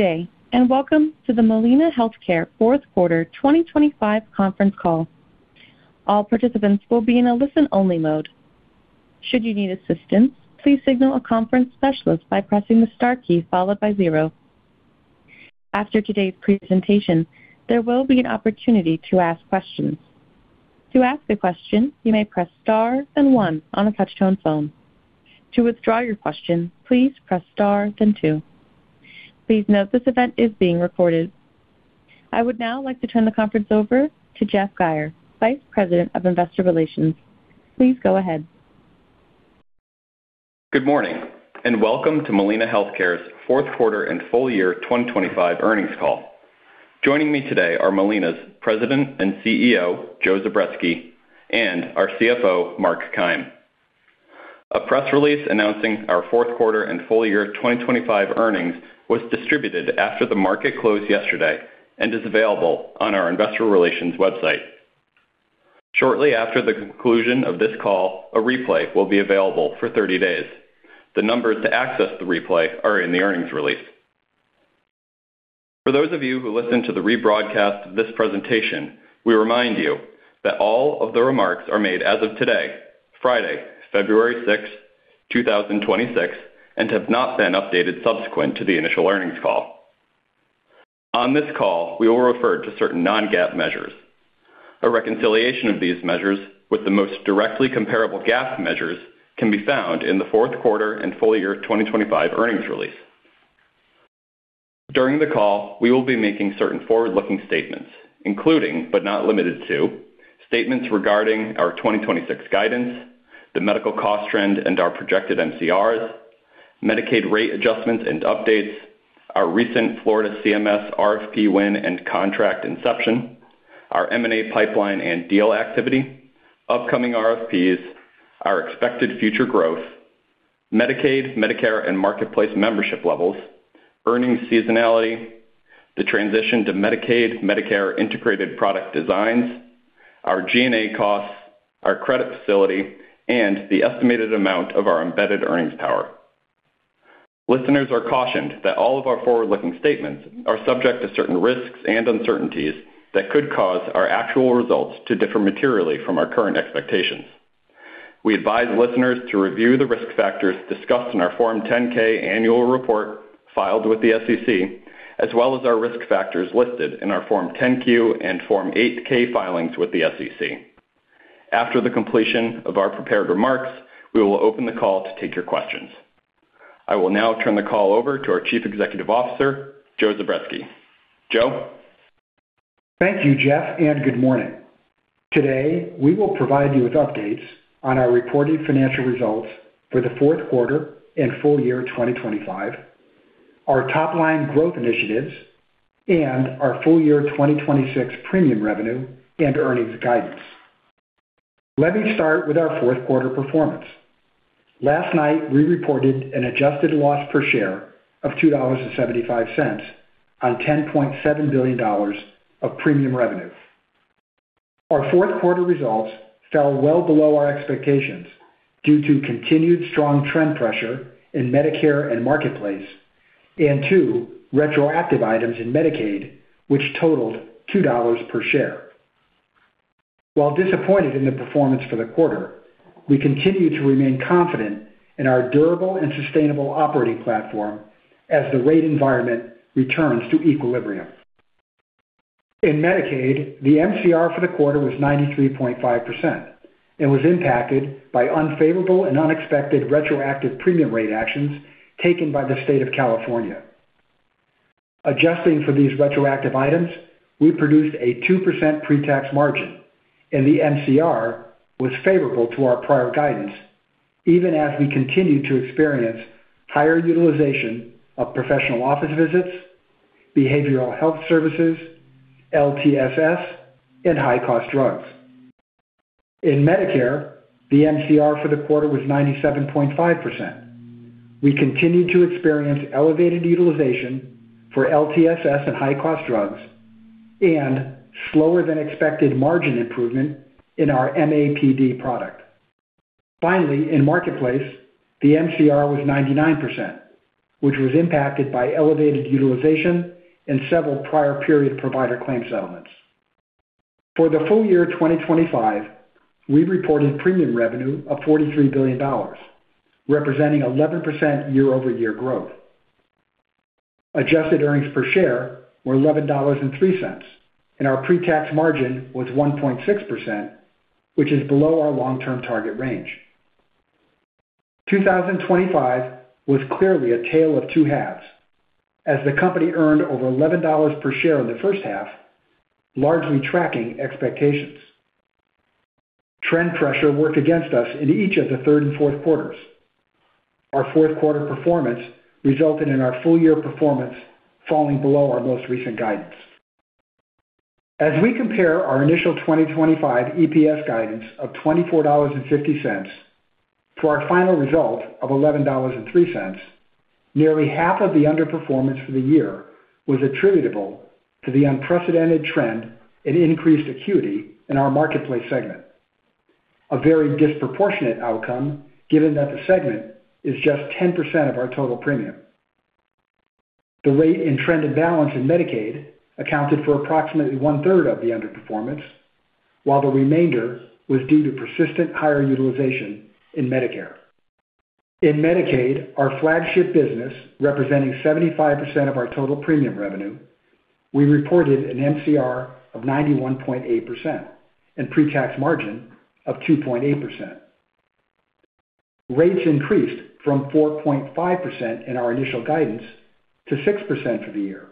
Good day, and welcome to the Molina Healthcare fourth quarter 2025 conference call. All participants will be in a listen-only mode. Should you need assistance, please signal a conference specialist by pressing the star key followed by zero. After today's presentation, there will be an opportunity to ask questions. To ask a question, you may press star, then one on a touch-tone phone. To withdraw your question, please press star, then two. Please note, this event is being recorded. I would now like to turn the conference over to Jeff Geyer, Vice President of Investor Relations. Please go ahead. Good morning, and welcome to Molina Healthcare's fourth quarter and full year 2025 earnings call. Joining me today are Molina's President and CEO, Joe Zubretsky, and our CFO, Mark Keim. A press release announcing our fourth quarter and full year 2025 earnings was distributed after the market closed yesterday and is available on our investor relations website. Shortly after the conclusion of this call, a replay will be available for 30 days. The numbers to access the replay are in the earnings release. For those of you who listen to the rebroadcast of this presentation, we remind you that all of the remarks are made as of today, Friday, February 6, 2026, and have not been updated subsequent to the initial earnings call. On this call, we will refer to certain non-GAAP measures. A reconciliation of these measures with the most directly comparable GAAP measures can be found in the fourth quarter and full year 2025 earnings release. During the call, we will be making certain forward-looking statements, including, but not limited to, statements regarding our 2026 guidance, the medical cost trend, and our projected MCRs, Medicaid rate adjustments and updates, our recent Florida CMS RFP win and contract inception, our M&A pipeline and deal activity, upcoming RFPs, our expected future growth, Medicaid, Medicare, and Marketplace membership levels, earnings seasonality, the transition to Medicaid, Medicare integrated product designs, our G&A costs, our credit facility, and the estimated amount of our embedded earnings power. Listeners are cautioned that all of our forward-looking statements are subject to certain risks and uncertainties that could cause our actual results to differ materially from our current expectations. We advise listeners to review the risk factors discussed in our Form 10-K annual report filed with the SEC, as well as our risk factors listed in our Form 10-Q and Form 8-K filings with the SEC. After the completion of our prepared remarks, we will open the call to take your questions. I will now turn the call over to our Chief Executive Officer, Joe Zubretsky. Joe? Thank you, Jeff, and good morning. Today, we will provide you with updates on our reported financial results for the fourth quarter and full year 2025, our top-line growth initiatives, and our full year 2026 premium revenue and earnings guidance. Let me start with our fourth quarter performance. Last night, we reported an adjusted loss per share of $2.75 on $10.7 billion of premium revenue. Our fourth quarter results fell well below our expectations due to continued strong trend pressure in Medicare and Marketplace, and two retroactive items in Medicaid, which totaled $2 per share. While disappointed in the performance for the quarter, we continue to remain confident in our durable and sustainable operating platform as the rate environment returns to equilibrium. In Medicaid, the MCR for the quarter was 93.5% and was impacted by unfavorable and unexpected retroactive premium rate actions taken by the state of California. Adjusting for these retroactive items, we produced a 2% pretax margin, and the MCR was favorable to our prior guidance, even as we continued to experience higher utilization of professional office visits, behavioral health services, LTSS, and high-cost drugs. In Medicare, the MCR for the quarter was 97.5%. We continued to experience elevated utilization for LTSS and high-cost drugs and slower than expected margin improvement in our MAPD product. Finally, in Marketplace, the MCR was 99%, which was impacted by elevated utilization and several prior period provider claim settlements. For the full year 2025, we reported premium revenue of $43 billion, representing 11% year-over-year growth. Adjusted earnings per share were $11.03, and our pretax margin was 1.6%, which is below our long-term target range. 2025 was clearly a tale of two halves, as the company earned over $11 per share in the first half, largely tracking expectations. Trend pressure worked against us in each of the third and fourth quarters. Our fourth quarter performance resulted in our full year performance falling below our most recent guidance. As we compare our initial 2025 EPS guidance of $24.50 to our final result of $11.03, nearly half of the underperformance for the year was attributable to the unprecedented trend in increased acuity in our Marketplace segment, a very disproportionate outcome, given that the segment is just 10% of our total premium. The rate in trend and balance in Medicaid accounted for approximately 1/3 of the underperformance, while the remainder was due to persistent higher utilization in Medicare. In Medicaid, our flagship business, representing 75% of our total premium revenue, we reported an MCR of 91.8% and pre-tax margin of 2.8%. Rates increased from 4.5% in our initial guidance to 6% for the year,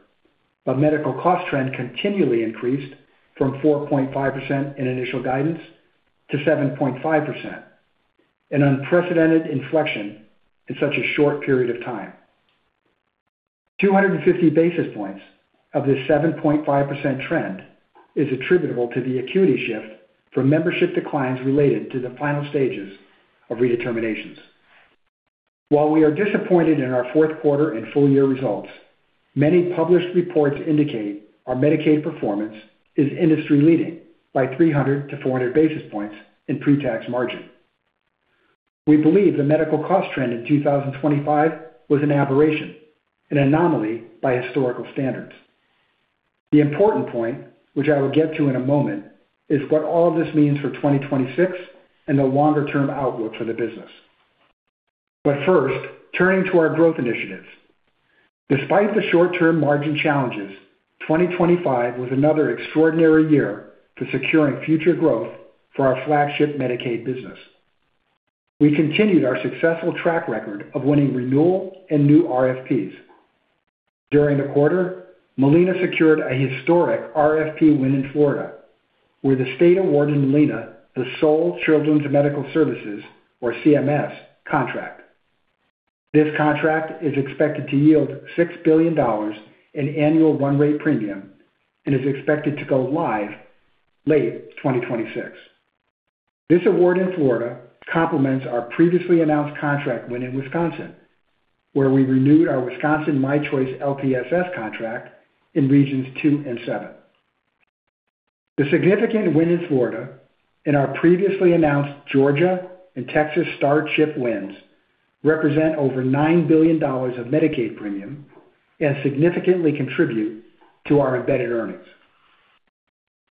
but medical cost trend continually increased from 4.5% in initial guidance to 7.5%, an unprecedented inflection in such a short period of time. 250 basis points of this 7.5% trend is attributable to the acuity shift from membership declines related to the final stages of redeterminations. While we are disappointed in our fourth quarter and full year results, many published reports indicate our Medicaid performance is industry-leading by 300-400 basis points in pre-tax margin. We believe the medical cost trend in 2025 was an aberration, an anomaly by historical standards. The important point, which I will get to in a moment, is what all of this means for 2026 and the longer-term outlook for the business. But first, turning to our growth initiatives. Despite the short-term margin challenges, 2025 was another extraordinary year for securing future growth for our flagship Medicaid business. We continued our successful track record of winning renewal and new RFPs. During the quarter, Molina secured a historic RFP win in Florida, where the state awarded Molina the sole Children’s Medical Services, or CMS, contract. This contract is expected to yield $6 billion in annual run rate premium and is expected to go live late 2026. This award in Florida complements our previously announced contract win in Wisconsin, where we renewed our Wisconsin My Choice LTSS contract in Regions Two and Seven. The significant win in Florida and our previously announced Georgia and Texas STAR & CHIP wins represent over $9 billion of Medicaid premium and significantly contribute to our embedded earnings.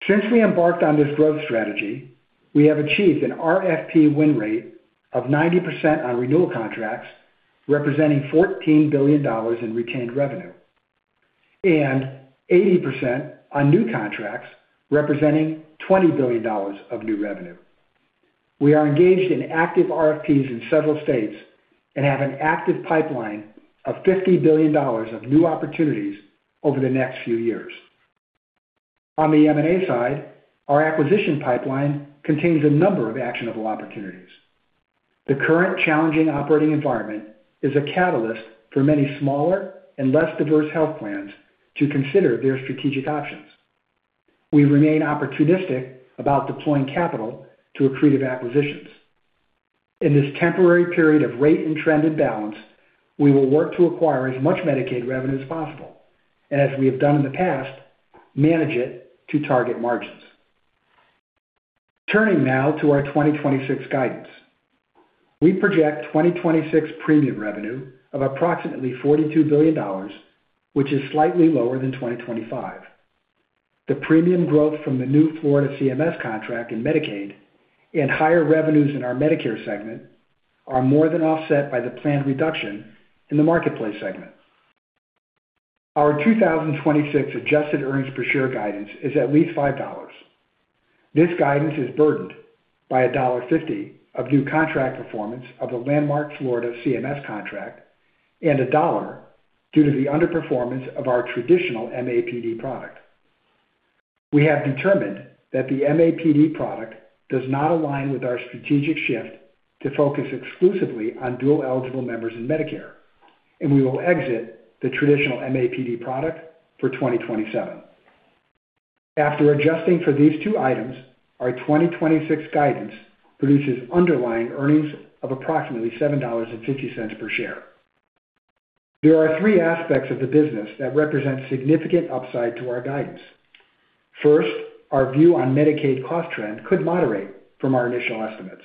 Since we embarked on this growth strategy, we have achieved an RFP win rate of 90% on renewal contracts, representing $14 billion in retained revenue and 80% on new contracts, representing $20 billion of new revenue. We are engaged in active RFPs in several states and have an active pipeline of $50 billion of new opportunities over the next few years. On the M&A side, our acquisition pipeline contains a number of actionable opportunities. The current challenging operating environment is a catalyst for many smaller and less diverse health plans to consider their strategic options. We remain opportunistic about deploying capital to accretive acquisitions. In this temporary period of rate and trended balance, we will work to acquire as much Medicaid revenue as possible, and as we have done in the past, manage it to target margins. Turning now to our 2026 guidance. We project 2026 premium revenue of approximately $42 billion, which is slightly lower than 2025. The premium growth from the new Florida CMS contract in Medicaid and higher revenues in our Medicare segment are more than offset by the planned reduction in the Marketplace segment. Our 2026 adjusted earnings per share guidance is at least $5. This guidance is burdened by $1.50 of new contract performance of the landmark Florida CMS contract and $1 due to the underperformance of our traditional MAPD product. We have determined that the MAPD product does not align with our strategic shift to focus exclusively on dual-eligible members in Medicare, and we will exit the traditional MAPD product for 2027. After adjusting for these two items, our 2026 guidance produces underlying earnings of approximately $7.50 per share. There are three aspects of the business that represent significant upside to our guidance. First, our view on Medicaid cost trend could moderate from our initial estimates.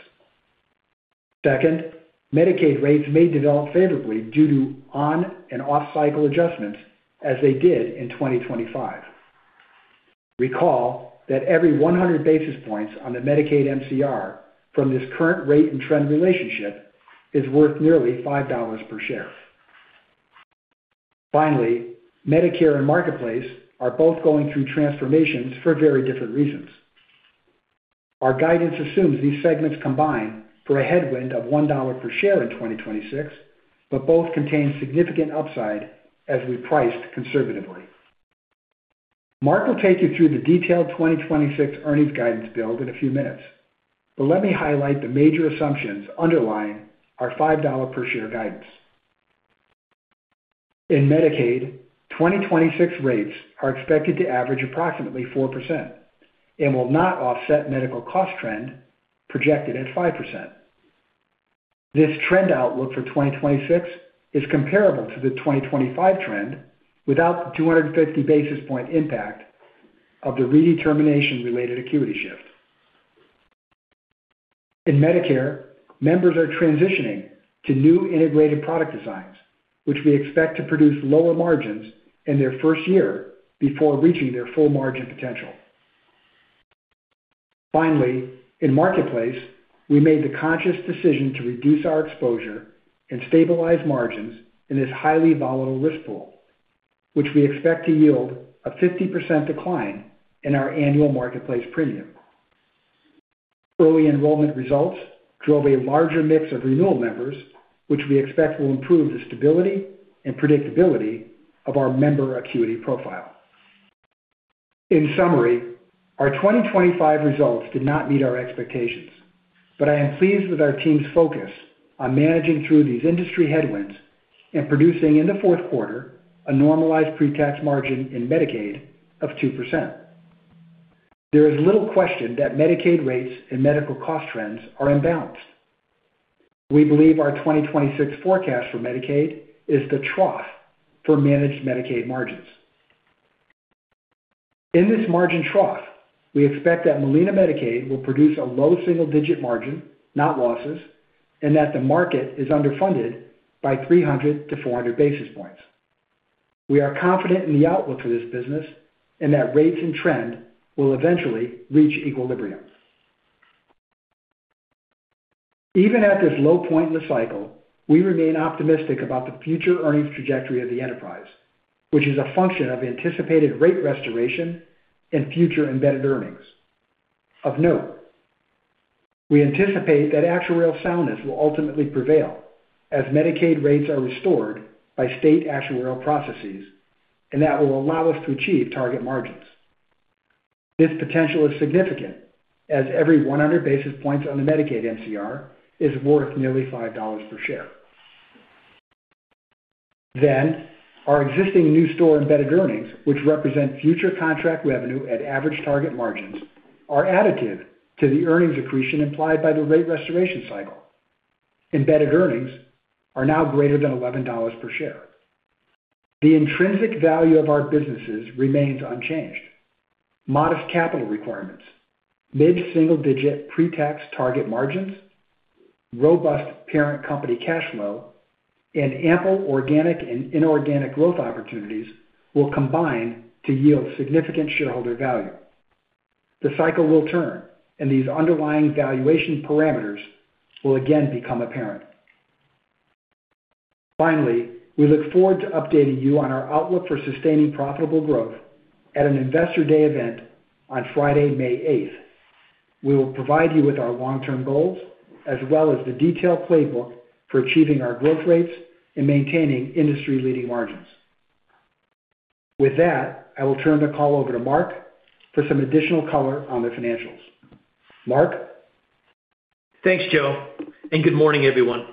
Second, Medicaid rates may develop favorably due to on- and off-cycle adjustments, as they did in 2025. Recall that every 100 basis points on the Medicaid MCR from this current rate and trend relationship is worth nearly $5 per share. Finally, Medicare and Marketplace are both going through transformations for very different reasons. Our guidance assumes these segments combine for a headwind of $1 per share in 2026, but both contain significant upside as we priced conservatively. Mark will take you through the detailed 2026 earnings guidance build in a few minutes, but let me highlight the major assumptions underlying our $5 per share guidance. In Medicaid, 2026 rates are expected to average approximately 4% and will not offset medical cost trend projected at 5%. This trend outlook for 2026 is comparable to the 2025 trend, without the 250 basis point impact of the redetermination-related acuity shift. In Medicare, members are transitioning to new integrated product designs, which we expect to produce lower margins in their first year before reaching their full margin potential. Finally, in Marketplace, we made the conscious decision to reduce our exposure and stabilize margins in this highly volatile risk pool, which we expect to yield a 50% decline in our annual Marketplace premium. Early enrollment results drove a larger mix of renewal members, which we expect will improve the stability and predictability of our member acuity profile. In summary, our 2025 results did not meet our expectations, but I am pleased with our team's focus on managing through these industry headwinds and producing, in the fourth quarter, a normalized pre-tax margin in Medicaid of 2%. There is little question that Medicaid rates and medical cost trends are imbalanced. We believe our 2026 forecast for Medicaid is the trough for managed Medicaid margins. In this margin trough, we expect that Molina Medicaid will produce a low single-digit margin, not losses, and that the market is underfunded by 300-400 basis points. We are confident in the outlook for this business and that rates and trend will eventually reach equilibrium. Even at this low point in the cycle, we remain optimistic about the future earnings trajectory of the enterprise, which is a function of anticipated rate restoration and future embedded earnings. Of note, we anticipate that actuarial soundness will ultimately prevail as Medicaid rates are restored by state actuarial processes, and that will allow us to achieve target margins. This potential is significant, as every 100 basis points on the Medicaid MCR is worth nearly $5 per share. Then, our existing new store embedded earnings, which represent future contract revenue at average target margins, are additive to the earnings accretion implied by the rate restoration cycle. Embedded earnings are now greater than $11 per share. The intrinsic value of our businesses remains unchanged. Modest capital requirements, mid-single-digit pre-tax target margins, robust parent company cash flow, and ample organic and inorganic growth opportunities will combine to yield significant shareholder value. The cycle will turn, and these underlying valuation parameters will again become apparent. Finally, we look forward to updating you on our outlook for sustaining profitable growth at an Investor Day event on Friday, May 8th. We will provide you with our long-term goals, as well as the detailed playbook for achieving our growth rates and maintaining industry-leading margins. With that, I will turn the call over to Mark for some additional color on the financials. Mark? Thanks, Joe, and good morning, everyone.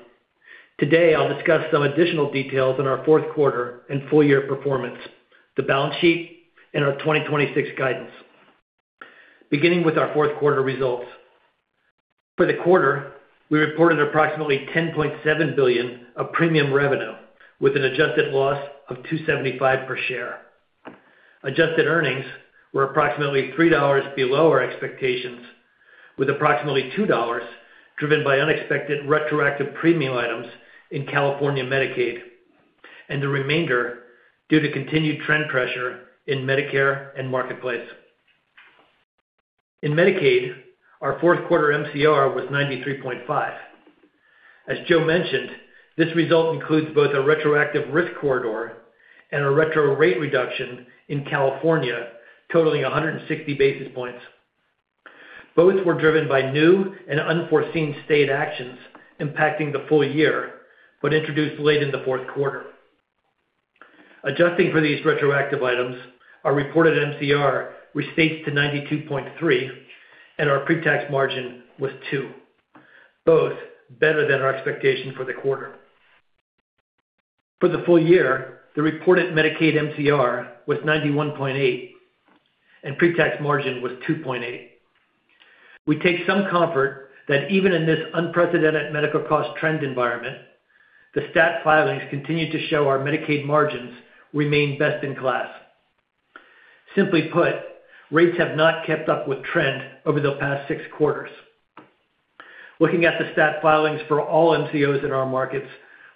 Today, I'll discuss some additional details on our fourth quarter and full year performance, the balance sheet and our 2026 guidance. Beginning with our fourth quarter results. For the quarter, we reported approximately $10.7 billion of premium revenue, with an adjusted loss of $2.75 per share. Adjusted earnings were approximately $3 below our expectations, with approximately $2 driven by unexpected retroactive premium items in California Medicaid, and the remainder due to continued trend pressure in Medicare and Marketplace. In Medicaid, our fourth quarter MCR was 93.5%. As Joe mentioned, this result includes both a retroactive risk corridor and a retro rate reduction in California, totaling 160 basis points. Both were driven by new and unforeseen state actions impacting the full year, but introduced late in the fourth quarter. Adjusting for these retroactive items, our reported MCR restates to 92.3%, and our pre-tax margin was 2%, both better than our expectation for the quarter. For the full year, the reported Medicaid MCR was 91.8%, and pre-tax margin was 2.8%. We take some comfort that even in this unprecedented medical cost trend environment, the stat filings continue to show our Medicaid margins remain best in class. Simply put, rates have not kept up with trend over the past six quarters. Looking at the stat filings for all MCOs in our markets,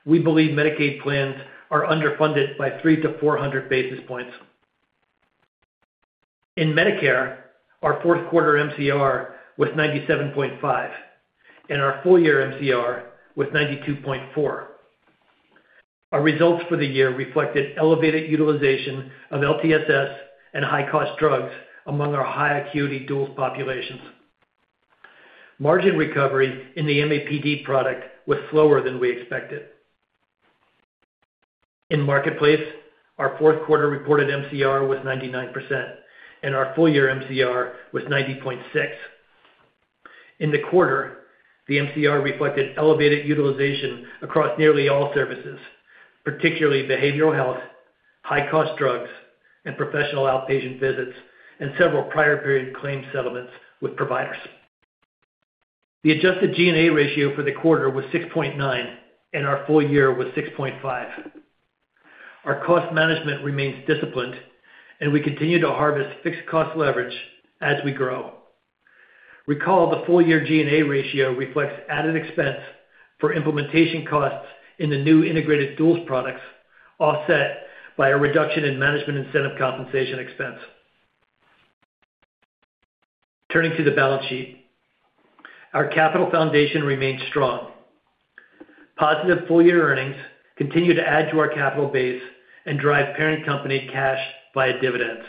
we believe Medicaid plans are underfunded by 300-400 basis points. In Medicare, our fourth quarter MCR was 97.5%, and our full year MCR was 92.4%. Our results for the year reflected elevated utilization of LTSS and high-cost drugs among our high acuity dual populations. Margin recovery in the MAPD product was slower than we expected. In Marketplace, our fourth quarter reported MCR was 99%, and our full year MCR was 90.6%. In the quarter, the MCR reflected elevated utilization across nearly all services, particularly behavioral health, high-cost drugs, and professional outpatient visits, and several prior period claim settlements with providers. The adjusted G&A ratio for the quarter was 6.9%, and our full year was 6.5%. Our cost management remains disciplined, and we continue to harvest fixed cost leverage as we grow. Recall, the full-year G&A ratio reflects added expense for implementation costs in the new integrated duals products, offset by a reduction in management incentive compensation expense. Turning to the balance sheet. Our capital foundation remains strong. Positive full-year earnings continue to add to our capital base and drive parent company cash via dividends.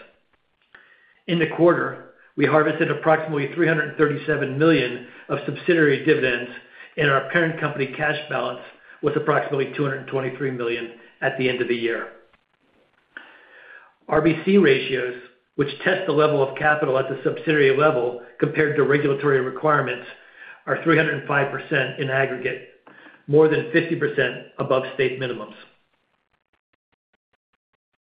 In the quarter, we harvested approximately $337 million of subsidiary dividends, and our parent company cash balance was approximately $223 million at the end of the year. RBC ratios, which test the level of capital at the subsidiary level compared to regulatory requirements, are 305% in aggregate, more than 50% above state minimums.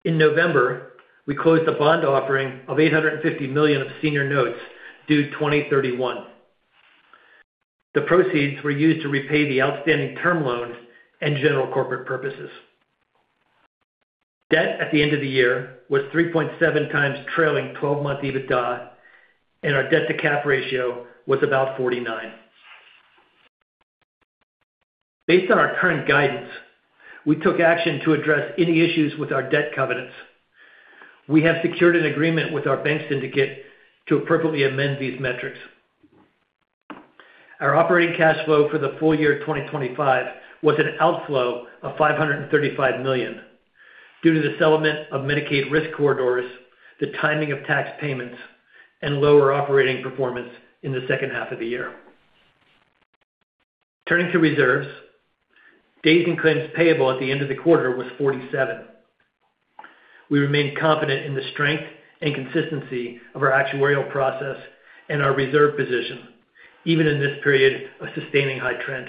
In November, we closed a bond offering of $850 million of senior notes due 2031. The proceeds were used to repay the outstanding term loans and general corporate purposes. Debt at the end of the year was 3.7x trailing twelve-month EBITDA, and our debt-to-cap ratio was about 49%. Based on our current guidance, we took action to address any issues with our debt covenants. We have secured an agreement with our bank syndicate to appropriately amend these metrics. Our operating cash flow for the full year 2025 was an outflow of $535 million due to the settlement of Medicaid risk corridors, the timing of tax payments, and lower operating performance in the second half of the year. Turning to reserves, days in claims payable at the end of the quarter was 47. We remain confident in the strength and consistency of our actuarial process and our reserve position, even in this period of sustaining high trend.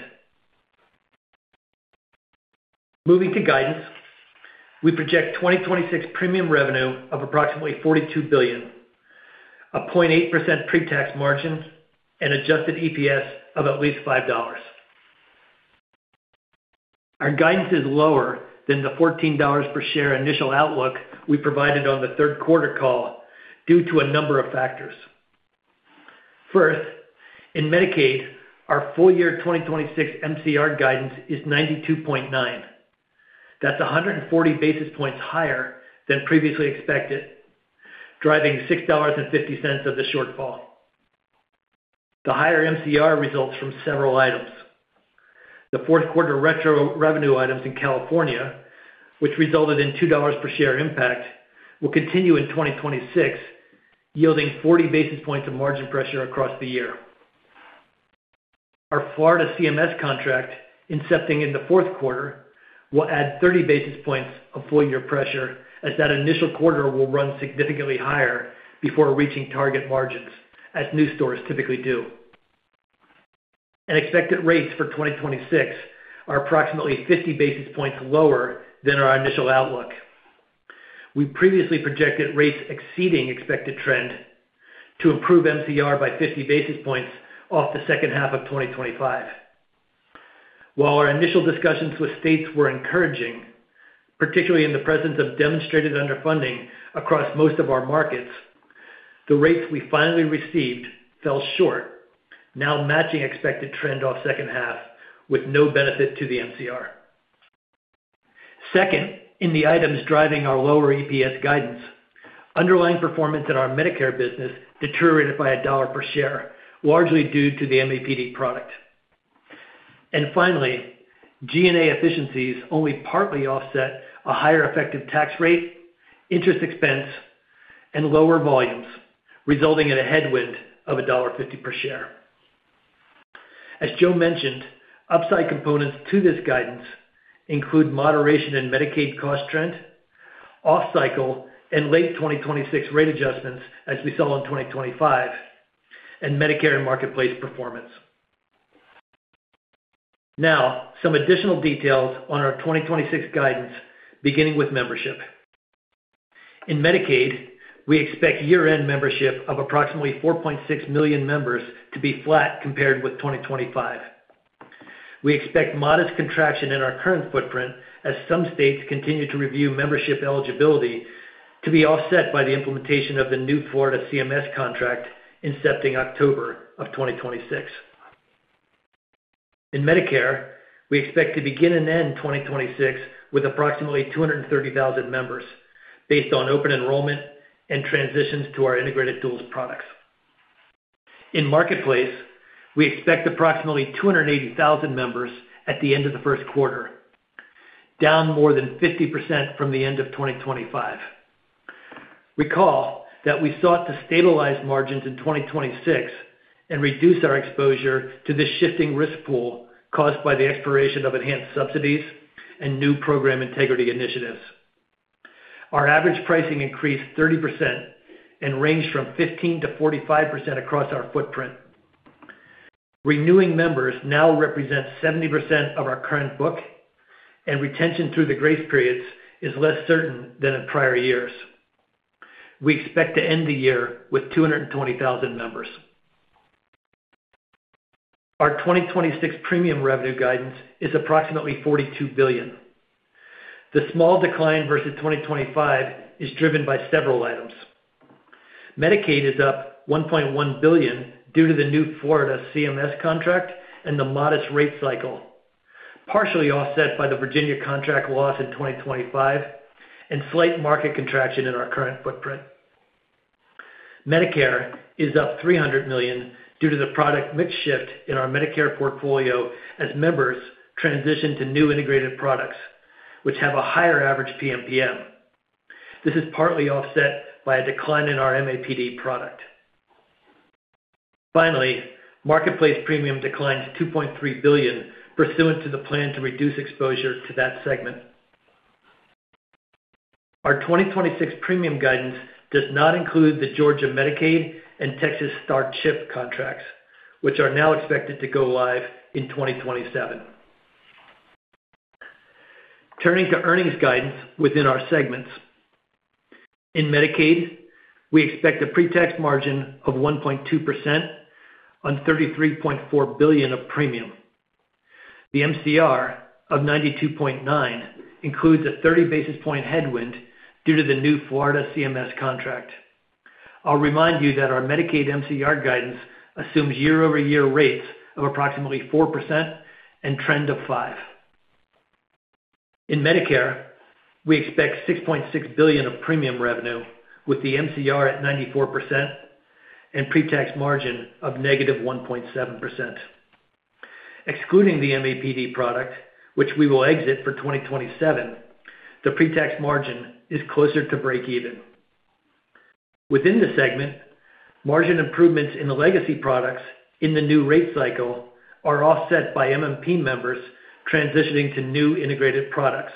Moving to guidance, we project 2026 premium revenue of approximately $42 billion, a 0.8% pre-tax margin, and adjusted EPS of at least $5. Our guidance is lower than the $14 per share initial outlook we provided on the third quarter call due to a number of factors. First, in Medicaid, our full year 2026 MCR guidance is 92.9%. That's 140 basis points higher than previously expected, driving $6.50 of the shortfall. The higher MCR results from several items. The fourth quarter retro revenue items in California, which resulted in $2 per share impact, will continue in 2026, yielding 40 basis points of margin pressure across the year. Our Florida CMS contract, incepting in the fourth quarter, will add 30 basis points of full-year pressure, as that initial quarter will run significantly higher before reaching target margins, as new stores typically do. Expected rates for 2026 are approximately 50 basis points lower than our initial outlook. We previously projected rates exceeding expected trend to improve MCR by 50 basis points off the second half of 2025. While our initial discussions with states were encouraging, particularly in the presence of demonstrated underfunding across most of our markets, the rates we finally received fell short, now matching expected trend off second half with no benefit to the MCR. Second, in the items driving our lower EPS guidance, underlying performance in our Medicare business deteriorated by $1 per share, largely due to the MAPD product. Finally, G&A efficiencies only partly offset a higher effective tax rate, interest expense, and lower volumes, resulting in a headwind of $1.50 per share. As Joe mentioned, upside components to this guidance include moderation in Medicaid cost trend, off-cycle, and late 2026 rate adjustments as we saw in 2025, and Medicare and Marketplace performance. Now, some additional details on our 2026 guidance, beginning with membership. In Medicaid, we expect year-end membership of approximately 4.6 million members to be flat compared with 2025. We expect modest contraction in our current footprint as some states continue to review membership eligibility to be offset by the implementation of the new Florida CMS contract, incepting October 2026. In Medicare, we expect to begin and end 2026 with approximately 230,000 members, based on open enrollment and transitions to our integrated Duals products. In Marketplace, we expect approximately 280,000 members at the end of the first quarter, down more than 50% from the end of 2025. Recall that we sought to stabilize margins in 2026 and reduce our exposure to this shifting risk pool caused by the expiration of enhanced subsidies and new program integrity initiatives. Our average pricing increased 30% and ranged from 15%-45% across our footprint. Renewing members now represent 70% of our current book, and retention through the grace periods is less certain than in prior years. We expect to end the year with 220,000 members. Our 2026 premium revenue guidance is approximately $42 billion. The small decline versus 2025 is driven by several items. Medicaid is up $1.1 billion due to the new Florida CMS contract and the modest rate cycle, partially offset by the Virginia contract loss in 2025 and slight market contraction in our current footprint. Medicare is up $300 million due to the product mix shift in our Medicare portfolio as members transition to new integrated products, which have a higher average PMPM. This is partly offset by a decline in our MAPD product. Finally, Marketplace premium declines $2.3 billion pursuant to the plan to reduce exposure to that segment. Our 2026 premium guidance does not include the Georgia Medicaid and Texas STAR CHIP contracts, which are now expected to go live in 2027. Turning to earnings guidance within our segments. In Medicaid, we expect a pre-tax margin of 1.2% on $33.4 billion of premium. The MCR of 92.9% includes a 30 basis point headwind due to the new Florida CMS contract. I'll remind you that our Medicaid MCR guidance assumes year-over-year rates of approximately 4% and trend of 5%. In Medicare, we expect $6.6 billion of premium revenue, with the MCR at 94% and pre-tax margin of -1.7%. Excluding the MAPD product, which we will exit for 2027, the pre-tax margin is closer to breakeven. Within the segment, margin improvements in the legacy products in the new rate cycle are offset by MMP members transitioning to new integrated products.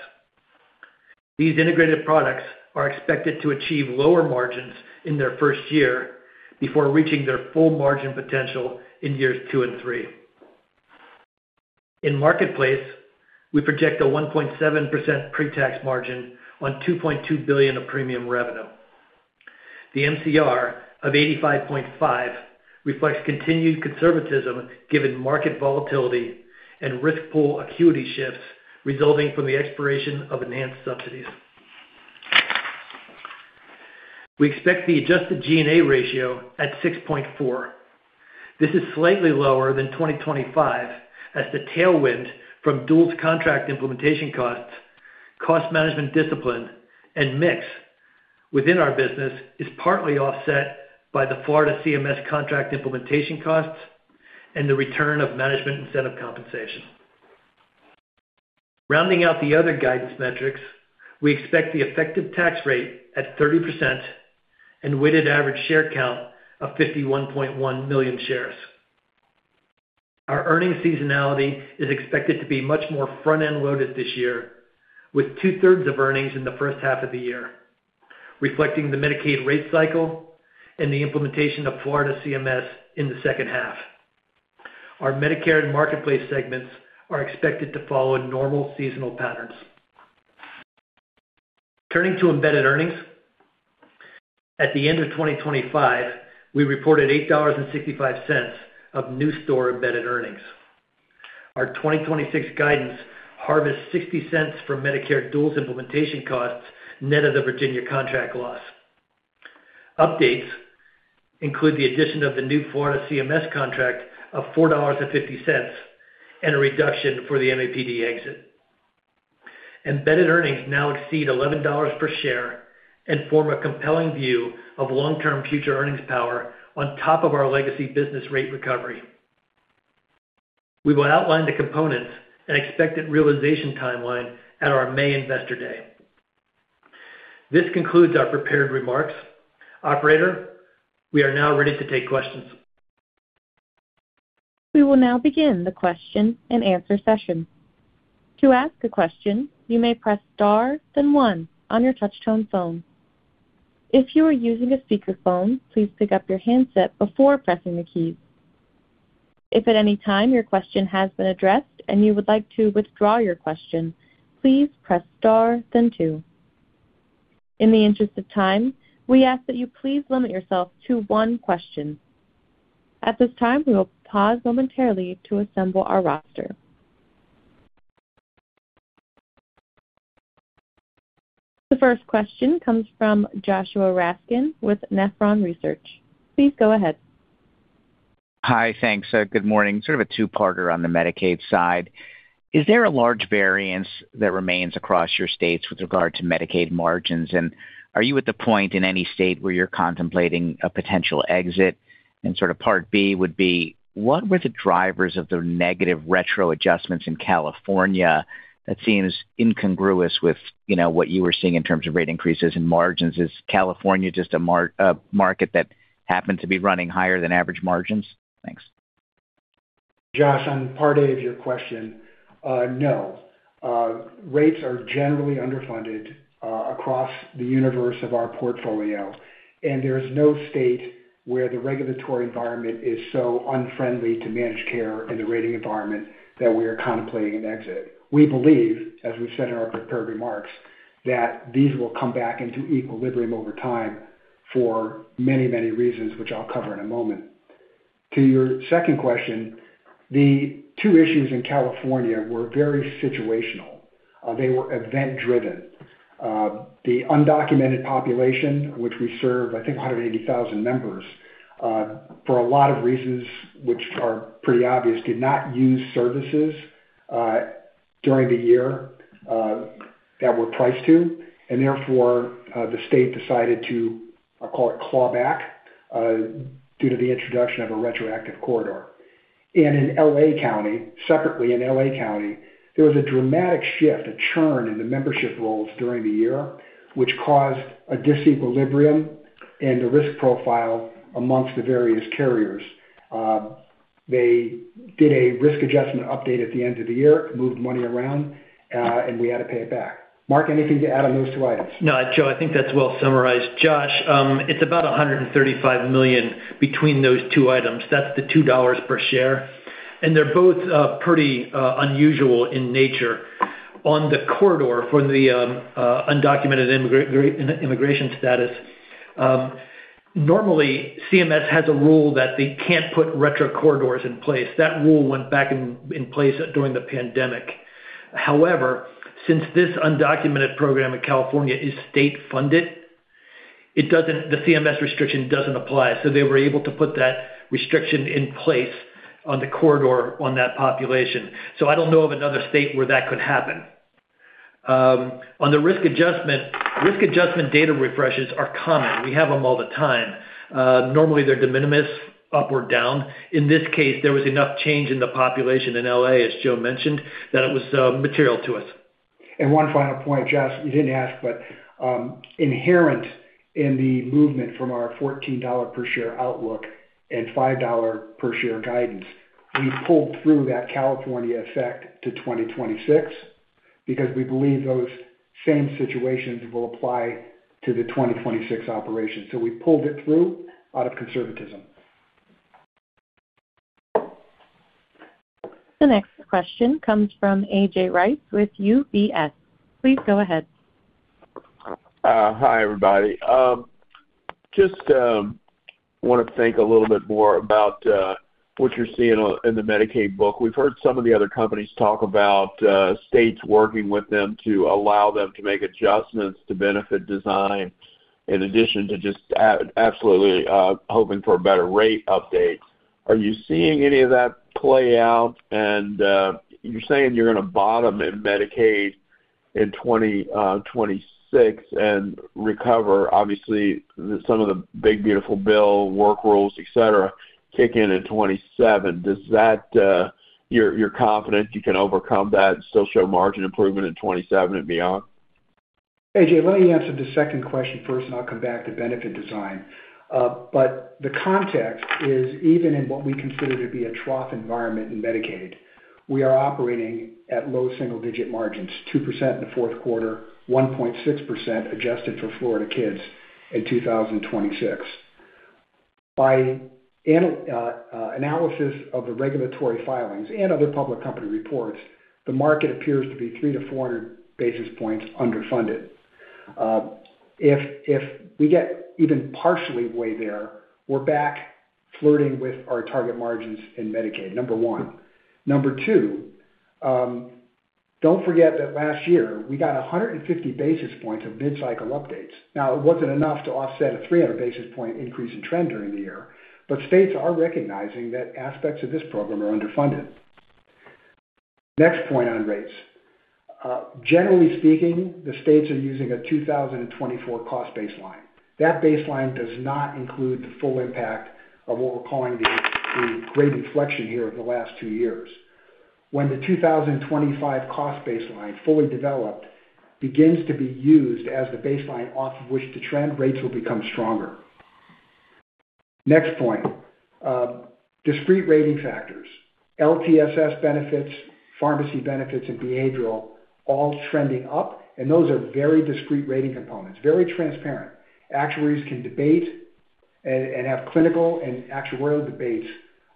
These integrated products are expected to achieve lower margins in their first year before reaching their full margin potential in years two and three. In Marketplace, we project a 1.7% pre-tax margin on $2.2 billion of premium revenue. The MCR of 85.5% reflects continued conservatism, given market volatility and risk pool acuity shifts resulting from the expiration of enhanced subsidies. We expect the adjusted G&A ratio at 6.4%. This is slightly lower than 2025, as the tailwind from duals contract implementation costs, cost management discipline, and mix within our business is partly offset by the Florida CMS contract implementation costs and the return of management incentive compensation. Rounding out the other guidance metrics, we expect the effective tax rate at 30% and weighted average share count of 51.1 million shares. Our earnings seasonality is expected to be much more front-end loaded this year, with 2/3 of earnings in the first half of the year, reflecting the Medicaid rate cycle and the implementation of Florida CMS in the second half. Our Medicare and Marketplace segments are expected to follow normal seasonal patterns. Turning to embedded earnings. At the end of 2025, we reported $8.65 of new store embedded earnings. Our 2026 guidance harvests $0.60 from Medicare duals implementation costs net of the Virginia contract loss. Updates include the addition of the new Florida CMS contract of $4.50 and a reduction for the MAPD exit. Embedded earnings now exceed $11 per share and form a compelling view of long-term future earnings power on top of our legacy business rate recovery. We will outline the components and expected realization timeline at our May Investor Day. This concludes our prepared remarks. Operator, we are now ready to take questions. We will now begin the question-and-answer session. To ask a question, you may press star, then one on your touchtone phone. If you are using a speakerphone, please pick up your handset before pressing the keys. If at any time your question has been addressed and you would like to withdraw your question, please press star then two. In the interest of time, we ask that you please limit yourself to one question. At this time, we will pause momentarily to assemble our roster. The first question comes from Joshua Raskin with Nephron Research. Please go ahead. Hi. Thanks. Good morning. Sort of a two-parter on the Medicaid side. Is there a large variance that remains across your states with regard to Medicaid margins? And are you at the point in any state where you're contemplating a potential exit? And sort of part B would be: What were the drivers of the negative retro adjustments in California? That seems incongruous with, you know, what you were seeing in terms of rate increases and margins. Is California just a market that happened to be running higher than average margins? Thanks. Josh, on part A of your question, no. Rates are generally underfunded, across the universe of our portfolio, and there is no state where the regulatory environment is so unfriendly to managed care and the rating environment that we are contemplating an exit. We believe, as we said in our prepared remarks, that these will come back into equilibrium over time for many, many reasons, which I'll cover in a moment. To your second question, the two issues in California were very situational. They were event driven. The undocumented population, which we serve, I think, 180,000 members, for a lot of reasons, which are pretty obvious, did not use services, during the year, that were priced to, and therefore, the state decided to, I'll call it, clawback, due to the introduction of a retroactive corridor. In L.A. County, separately in L.A. County, there was a dramatic shift, a churn in the membership rolls during the year, which caused a disequilibrium and a risk profile amongst the various carriers. They did a risk adjustment update at the end of the year, moved money around, and we had to pay it back. Mark, anything to add on those two items? No, Joe, I think that's well summarized. Josh, it's about $135 million between those two items. That's the $2 per share, and they're both pretty unusual in nature. On the corridor for the undocumented immigration status, normally, CMS has a rule that they can't put retro corridors in place. That rule went back in place during the pandemic. However, since this undocumented program in California is state-funded, it doesn't, the CMS restriction doesn't apply, so they were able to put that restriction in place on the corridor on that population. So I don't know of another state where that could happen. On the risk adjustment, risk adjustment data refreshes are common. We have them all the time. Normally, they're de minimis, up or down. In this case, there was enough change in the population in L.A., as Joe mentioned, that it was material to us. One final point, Josh, you didn't ask, but, inherent in the movement from our $14 per share outlook and $5 per share guidance, we pulled through that California effect to 2026, because we believe those same situations will apply to the 2026 operation. We pulled it through out of conservatism. The next question comes from A.J. Rice with UBS. Please go ahead. Hi, everybody. Just want to think a little bit more about what you're seeing on, in the Medicaid book. We've heard some of the other companies talk about states working with them to allow them to make adjustments to benefit design, in addition to just absolutely hoping for a better rate update. Are you seeing any of that play out? And you're saying you're gonna bottom in Medicaid in 2026 and recover. Obviously, some of the Big, Beautiful Bill, work rules, et cetera, kick in in 2027. Does that you're confident you can overcome that and still show margin improvement in 2027 and beyond? A.J., let me answer the second question first, and I'll come back to benefit design. But the context is, even in what we consider to be a trough environment in Medicaid, we are operating at low single-digit margins, 2% in the fourth quarter, 1.6% adjusted for Florida Kids in 2026. By analysis of the regulatory filings and other public company reports, the market appears to be 300-400 basis points underfunded. If we get even partially way there, we're back flirting with our target margins in Medicaid, number one. Number two, don't forget that last year, we got 150 basis points of mid-cycle updates. Now, it wasn't enough to offset a 300 basis point increase in trend during the year, but states are recognizing that aspects of this program are underfunded. Next point on rates. Generally speaking, the states are using a 2024 cost baseline. That baseline does not include the full impact of what we're calling the, the great inflection here over the last two years. When the 2025 cost baseline, fully developed, begins to be used as the baseline off of which to trend, rates will become stronger. Next point, discrete rating factors, LTSS benefits, pharmacy benefits, and behavioral, all trending up, and those are very discrete rating components, very transparent. Actuaries can debate and have clinical and actuarial debates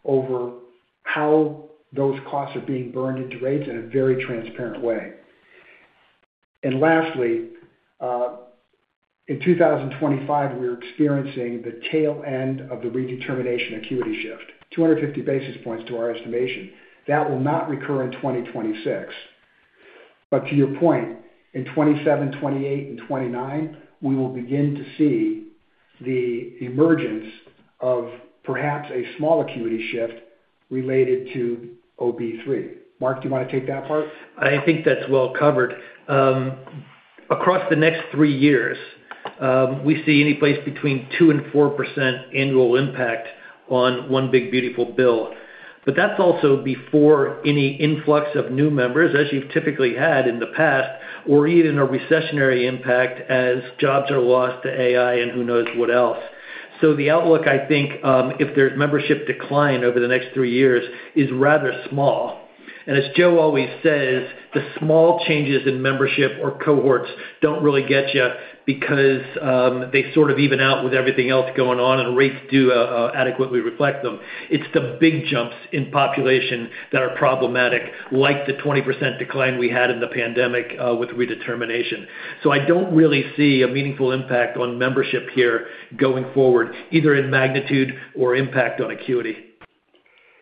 over how those costs are being burned into rates in a very transparent way. Lastly, in 2025, we were experiencing the tail end of the redetermination acuity shift, 250 basis points to our estimation. That will not recur in 2026. To your point, in 2027, 2028, and 2029, we will begin to see the emergence of perhaps a small acuity shift related to OB3. Mark, do you want to take that part? I think that's well covered. Across the next three years, we see any place between 2% and 4% annual impact on One Big, Beautiful bill. But that's also before any influx of new members, as you've typically had in the past, or even a recessionary impact as jobs are lost to AI and who knows what else? So the outlook, I think, if there's membership decline over the next three years, is rather small. And as Joe always says, the small changes in membership or cohorts don't really get you because, they sort of even out with everything else going on, and rates do adequately reflect them. It's the big jumps in population that are problematic, like the 20% decline we had in the pandemic, with redetermination. I don't really see a meaningful impact on membership here going forward, either in magnitude or impact on acuity.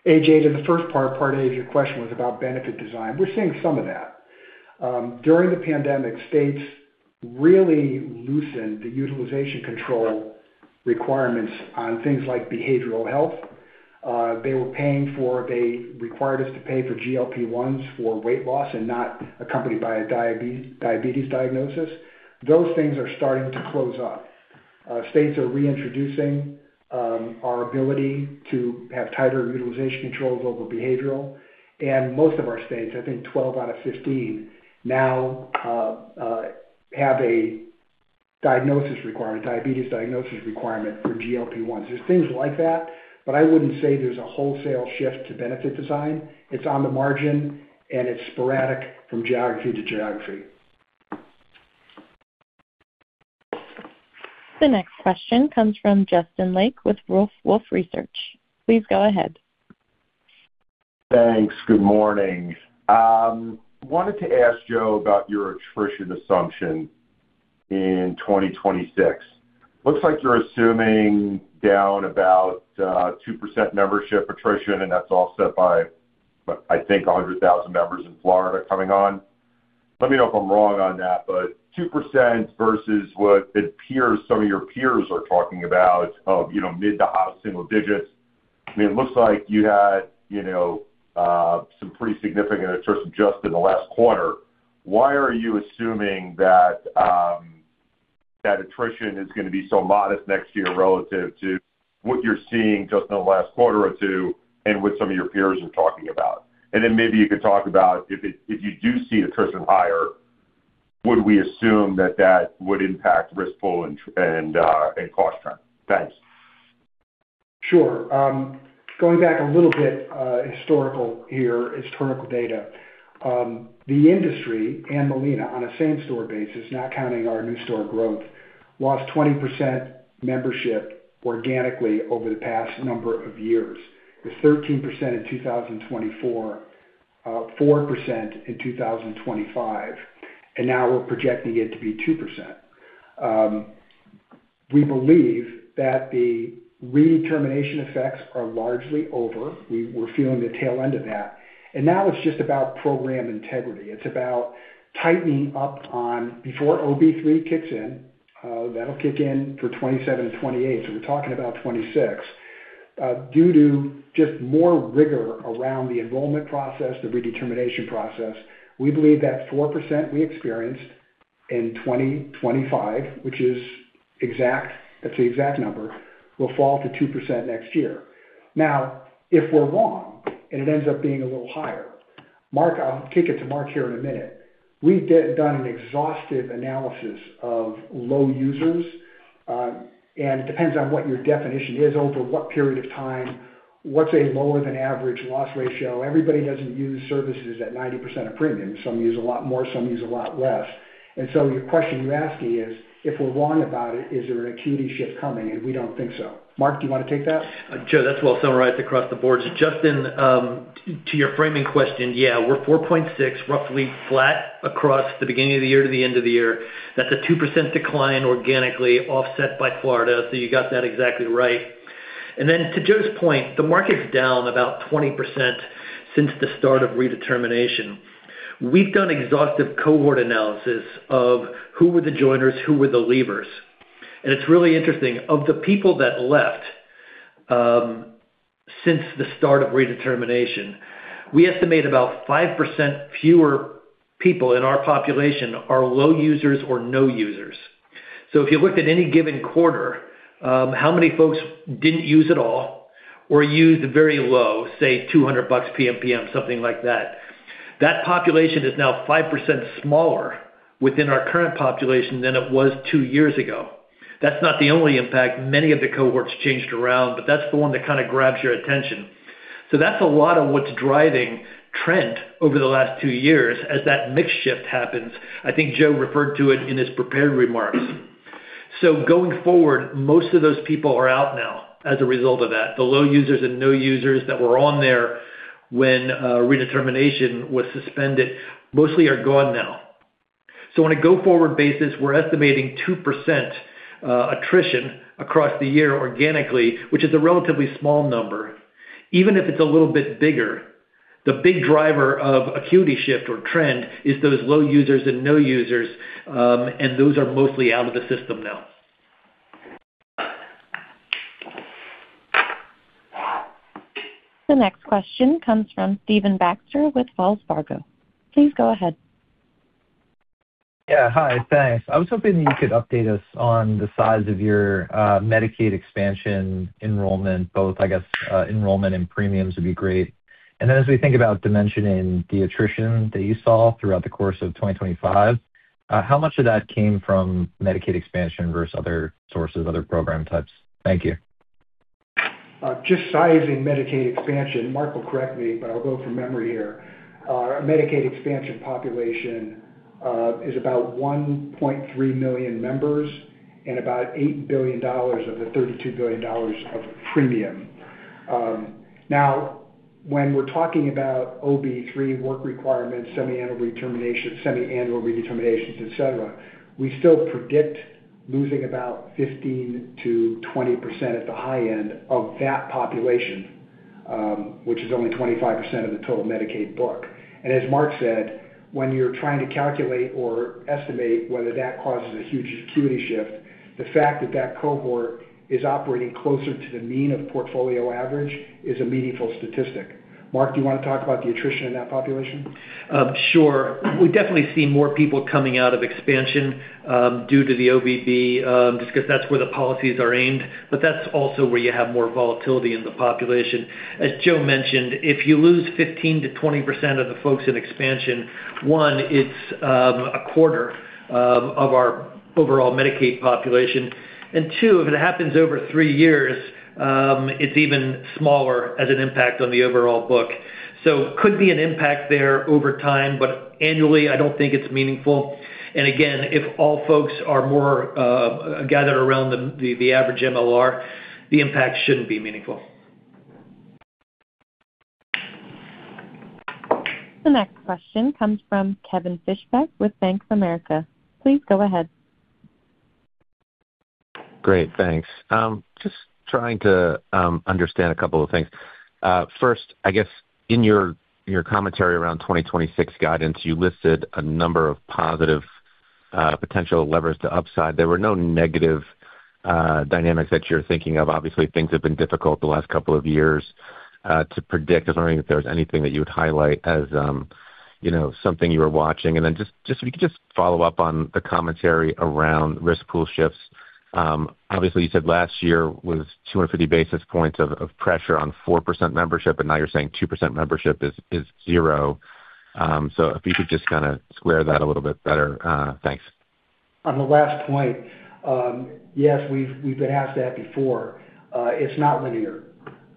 A.J., to the first part, part A of your question was about benefit design. We're seeing some of that. During the pandemic, states really loosened the utilization control requirements on things like behavioral health. They required us to pay for GLP-1s for weight loss and not accompanied by a diabetes, diabetes diagnosis. Those things are starting to close up. States are reintroducing our ability to have tighter utilization controls over behavioral. And most of our states, I think 12 out of 15, now, have a diagnosis requirement, diabetes diagnosis requirement for GLP-1s. There's things like that, but I wouldn't say there's a wholesale shift to benefit design. It's on the margin, and it's sporadic from geography to geography. The next question comes from Justin Lake with Wolfe Research. Please go ahead. Thanks. Good morning. Wanted to ask Joe about your attrition assumption in 2026. Looks like you're assuming down about 2% membership attrition, and that's offset by, what, I think, 100,000 members in Florida coming on. Let me know if I'm wrong on that, but 2% versus what it appears some of your peers are talking about of, you know, mid to high single digits. I mean, it looks like you had, you know, some pretty significant attrition just in the last quarter. Why are you assuming that that attrition is gonna be so modest next year relative to what you're seeing just in the last quarter or two and what some of your peers are talking about? And then maybe you could talk about if you do see attrition higher, would we assume that that would impact risk pool and cost trend? Thanks. Sure. Going back a little bit, historical here, historical data. The industry and Molina, on a same store basis, not counting our new store growth, lost 20% membership organically over the past number of years, with 13% in 2024, 4% in 2025, and now we're projecting it to be 2%. We believe that the redetermination effects are largely over. We're feeling the tail end of that. And now it's just about program integrity. It's about tightening up on before OB3 kicks in. That'll kick in for 2027 and 2028, so we're talking about 2026. Due to just more rigor around the enrollment process, the redetermination process, we believe that 4% we experienced in 2025, which is exact, that's the exact number, will fall to 2% next year. Now, if we're wrong, and it ends up being a little higher, Mark, I'll kick it to Mark here in a minute. We've done an exhaustive analysis of low users, and it depends on what your definition is, over what period of time, what's a lower-than-average loss ratio? Everybody doesn't use services at 90% of premium. Some use a lot more; some use a lot less. And so your question you asked me is, if we're wrong about it, is there an acuity shift coming? And we don't think so. Mark, do you want to take that? Joe, that's well summarized across the board. So Justin, to your framing question, yeah, we're 4.6 million, roughly flat across the beginning of the year to the end of the year. That's a 2% decline organically, offset by Florida, so you got that exactly right. And then to Joe's point, the market's down about 20% since the start of redetermination. We've done exhaustive cohort analysis of who were the joiners, who were the leavers, and it's really interesting. Of the people that left, since the start of redetermination, we estimate about 5% fewer people in our population are low users or no users. So if you looked at any given quarter, how many folks didn't use at all or used very low, say, $200 PMPM, something like that, that population is now 5% smaller within our current population than it was two years ago. That's not the only impact. Many of the cohorts changed around, but that's the one that kind of grabs your attention. So that's a lot of what's driving trend over the last two years as that mix shift happens. I think Joe referred to it in his prepared remarks. So going forward, most of those people are out now as a result of that. The low users and no users that were on there when redetermination was suspended, mostly are gone now. So on a go-forward basis, we're estimating 2%, attrition across the year organically, which is a relatively small number. Even if it's a little bit bigger, the big driver of acuity shift or trend is those low users and no users, and those are mostly out of the system now. The next question comes from Stephen Baxter with Wells Fargo. Please go ahead. Yeah. Hi, thanks. I was hoping that you could update us on the size of your Medicaid expansion enrollment, both, I guess, enrollment and premiums would be great. Then as we think about dimensioning the attrition that you saw throughout the course of 2025, how much of that came from Medicaid expansion versus other sources, other program types? Thank you. Just sizing Medicaid expansion, Mark will correct me, but I'll go from memory here. Medicaid expansion population is about 1.3 million members and about $8 billion of the $32 billion of premium. Now, when we're talking about OB3 work requirements, semiannual redetermination, semiannual redeterminations, et cetera, we still predict losing about 15%-20% at the high end of that population, which is only 25% of the total Medicaid book. And as Mark said, when you're trying to calculate or estimate whether that causes a huge acuity shift, the fact that that cohort is operating closer to the mean of portfolio average is a meaningful statistic. Mark, do you want to talk about the attrition in that population? Sure. We definitely see more people coming out of expansion, due to the OBB, just because that's where the policies are aimed, but that's also where you have more volatility in the population. As Joe mentioned, if you lose 15%-20% of the folks in expansion, one, it's a quarter of our overall Medicaid population, and two, if it happens over three years, it's even smaller as an impact on the overall book. So could be an impact there over time, but annually, I don't think it's meaningful. And again, if all folks are more gathered around the average MLR, the impact shouldn't be meaningful. The next question comes from Kevin Fischbeck with Bank of America. Please go ahead. Great, thanks. Just trying to understand a couple of things. First, I guess in your commentary around 2026 guidance, you listed a number of positive potential levers to upside. There were no negative dynamics that you're thinking of. Obviously, things have been difficult the last couple of years to predict. I was wondering if there was anything that you would highlight as, you know, something you were watching? And then just, just if you could just follow up on the commentary around risk pool shifts. Obviously, you said last year was 250 basis points of pressure on 4% membership, and now you're saying 2% membership is zero. So if you could just kind of square that a little bit better, thanks. On the last point, yes, we've, we've been asked that before. It's not linear,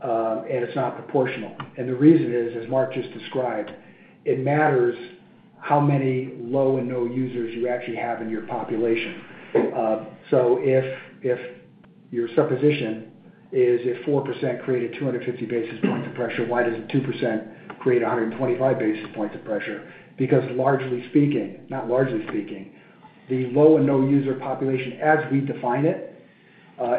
and it's not proportional. And the reason is, as Mark just described, it matters how many low and no users you actually have in your population. So if, if your supposition is if 4% created 250 basis points of pressure, why doesn't 2% create 125 basis points of pressure? Because largely speaking, not largely speaking, the low and no user population, as we define it,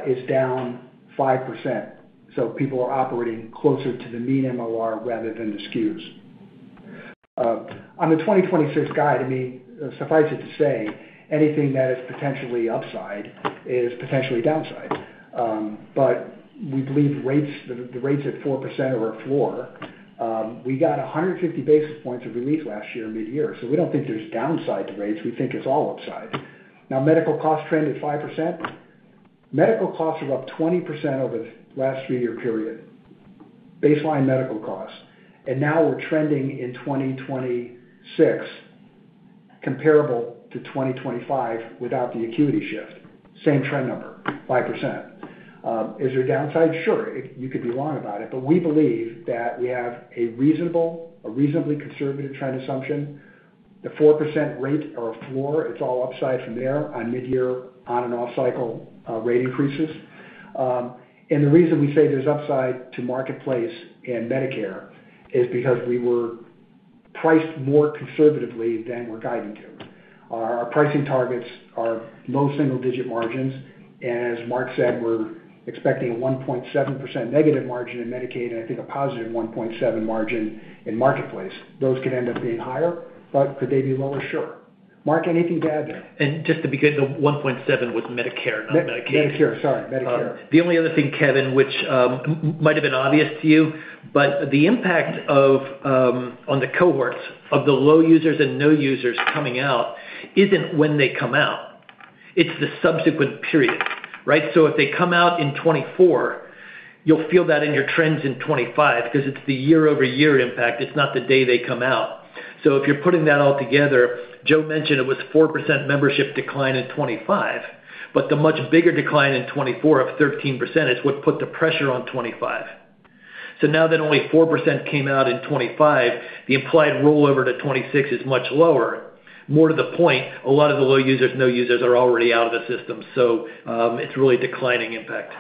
is down 5%. So people are operating closer to the mean MLR rather than the skews. On the 2026 guide, I mean, suffice it to say, anything that is potentially upside is potentially downside. But we believe rates, the, the rates at 4% are a floor. We got 150 basis points of relief last year, mid-year, so we don't think there's downside to rates. We think it's all upside. Now, medical costs trend at 5%. Medical costs are up 20% over the last three-year period, baseline medical costs, and now we're trending in 2026, comparable to 2025 without the acuity shift. Same trend number, 5%. Is there a downside? Sure, you could be wrong about it, but we believe that we have a reasonable, a reasonably conservative trend assumption. The 4% rate or floor. It's all upside from there on mid-year, on- and off-cycle, rate increases. The reason we say there's upside to Marketplace and Medicare is because we were priced more conservatively than we're guiding to. Our pricing targets are low single-digit margins, and as Mark said, we're expecting a 1.7% negative margin in Medicaid, and I think a positive 1.7% margin in Marketplace. Those could end up being higher, but could they be lower? Sure. Mark, anything to add there? Just to be clear, the 1.7% was Medicare, not Medicaid. Medicare, sorry, Medicare. The only other thing, Kevin, which might have been obvious to you, but the impact on the cohorts of the low users and no users coming out isn't when they come out, it's the subsequent period, right? So if they come out in 2024, you'll feel that in your trends in 2025, because it's the year-over-year impact, it's not the day they come out. So if you're putting that all together, Joe mentioned it was 4% membership decline in 2025, but the much bigger decline in 2024 of 13% is what put the pressure on 2025. So now that only 4% came out in 2025, the implied rollover to 2026 is much lower. More to the point, a lot of the low users, no users, are already out of the system, so it's really a declining impact.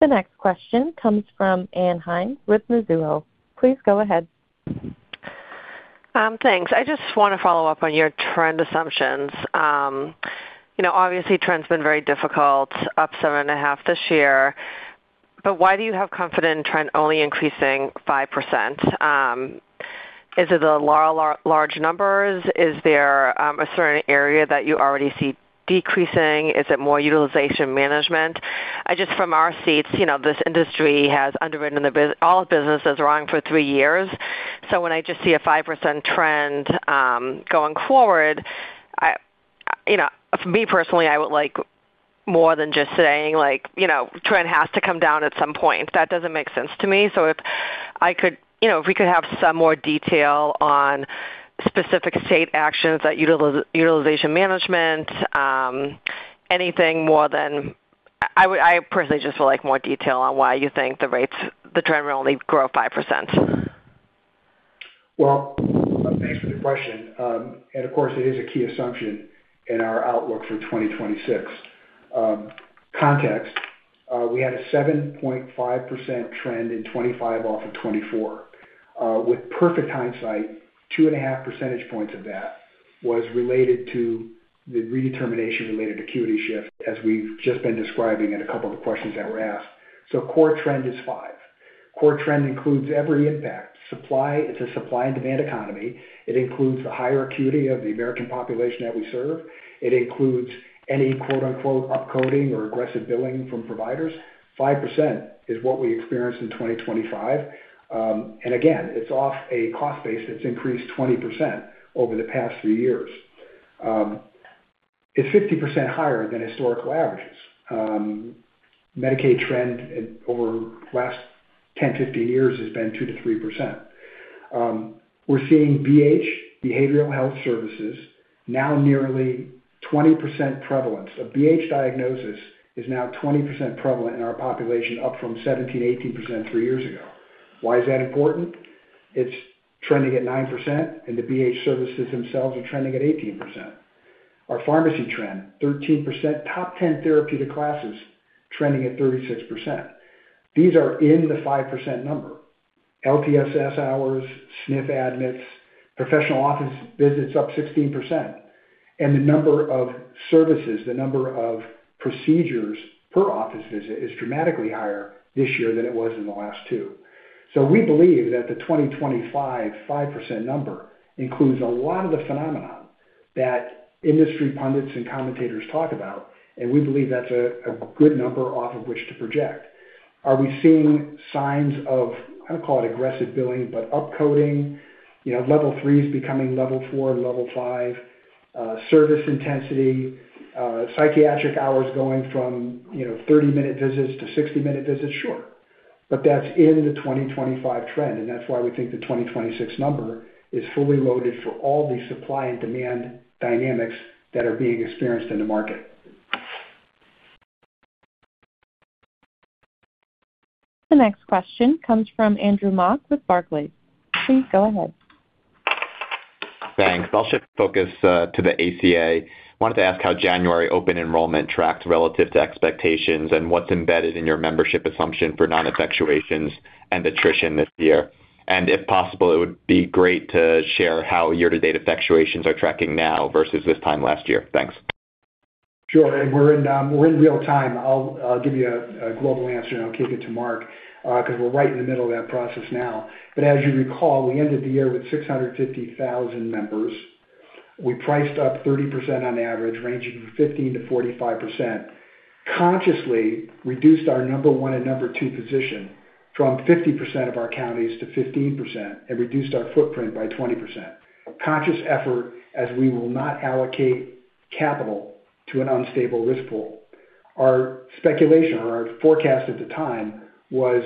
The next question comes from Ann Hynes with Mizuho. Please go ahead. Thanks. I just want to follow up on your trend assumptions. You know, obviously, trend's been very difficult, up 7.5% this year, but why do you have confidence in trend only increasing 5%? Is it the large numbers? Is there a certain area that you already see decreasing? Is it more utilization management? I just from our seats, you know, this industry has underwritten all businesses wrong for three years. So when I just see a 5% trend going forward, you know, for me personally, I would like more than just saying, like, you know, trend has to come down at some point. That doesn't make sense to me. So if I could, you know, if we could have some more detail on specific state actions, that utilization management. I would, I personally just would like more detail on why you think the rates, the trend will only grow 5%. Well, thanks for the question. And of course, it is a key assumption in our outlook for 2026. Context, we had a 7.5% trend in 2025 off of 2024. With perfect hindsight, 2.5 percentage points of that was related to the redetermination-related acuity shift, as we've just been describing in a couple of the questions that were asked. So core trend is 5%. Core trend includes every impact. Supply, it's a supply and demand economy. It includes the higher acuity of the American population that we serve. It includes any quote-unquote, upcoding or aggressive billing from providers. 5% is what we experienced in 2025. And again, it's off a cost base that's increased 20% over the past three years. It's 50% higher than historical averages. Medicaid trend over the last 10, 15 years has been 2%-3%. We're seeing BH, behavioral health services, now nearly 20% prevalence. A BH diagnosis is now 20% prevalent in our population, up from 17%-18% three years ago. Why is that important? It's trending at 9%, and the BH services themselves are trending at 18%. Our pharmacy trend, 13%. Top 10 therapeutic classes, trending at 36%. These are in the 5% number. LTSS hours, SNF admits, professional office visits up 16%. And the number of services, the number of procedures per office visit is dramatically higher this year than it was in the last two. So we believe that the 2025 5% number includes a lot of the phenomenon that industry pundits and commentators talk about, and we believe that's a good number off of which to project. Are we seeing signs of, I don't call it aggressive billing, but upcoding? You know, level threes becoming level four and level five, service intensity, psychiatric hours going from, you know, 30-minute visits to 60-minute visits? Sure. But that's in the 2025 trend, and that's why we think the 2026 number is fully loaded for all the supply and demand dynamics that are being experienced in the market. The next question comes from Andrew Mok with Barclays. Please go ahead. Thanks. I'll shift focus to the ACA. Wanted to ask how January open enrollment tracked relative to expectations, and what's embedded in your membership assumption for non-effectuations and attrition this year? And if possible, it would be great to share how year-to-date effectuations are tracking now versus this time last year. Thanks. Sure. And we're in, we're in real time. I'll give you a global answer, and I'll kick it to Mark, 'cause we're right in the middle of that process now. But as you recall, we ended the year with 650,000 members. We priced up 30% on average, ranging from 15%-45%. Consciously reduced our number one and number two position from 50% of our counties to 15% and reduced our footprint by 20%. A conscious effort, as we will not allocate capital to an unstable risk pool. Our speculation or our forecast at the time was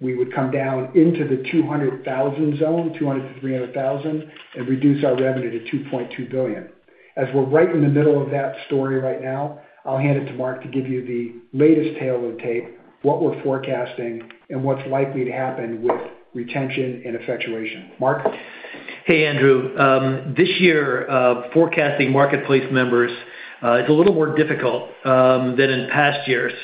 we would come down into the 200,000 zone, 200,000-300,000, and reduce our revenue to $2.2 billion. As we're right in the middle of that story right now, I'll hand it to Mark to give you the latest tale of tape, what we're forecasting, and what's likely to happen with retention and effectuation. Mark? Hey, Andrew. This year, forecasting Marketplace members is a little more difficult than in past years.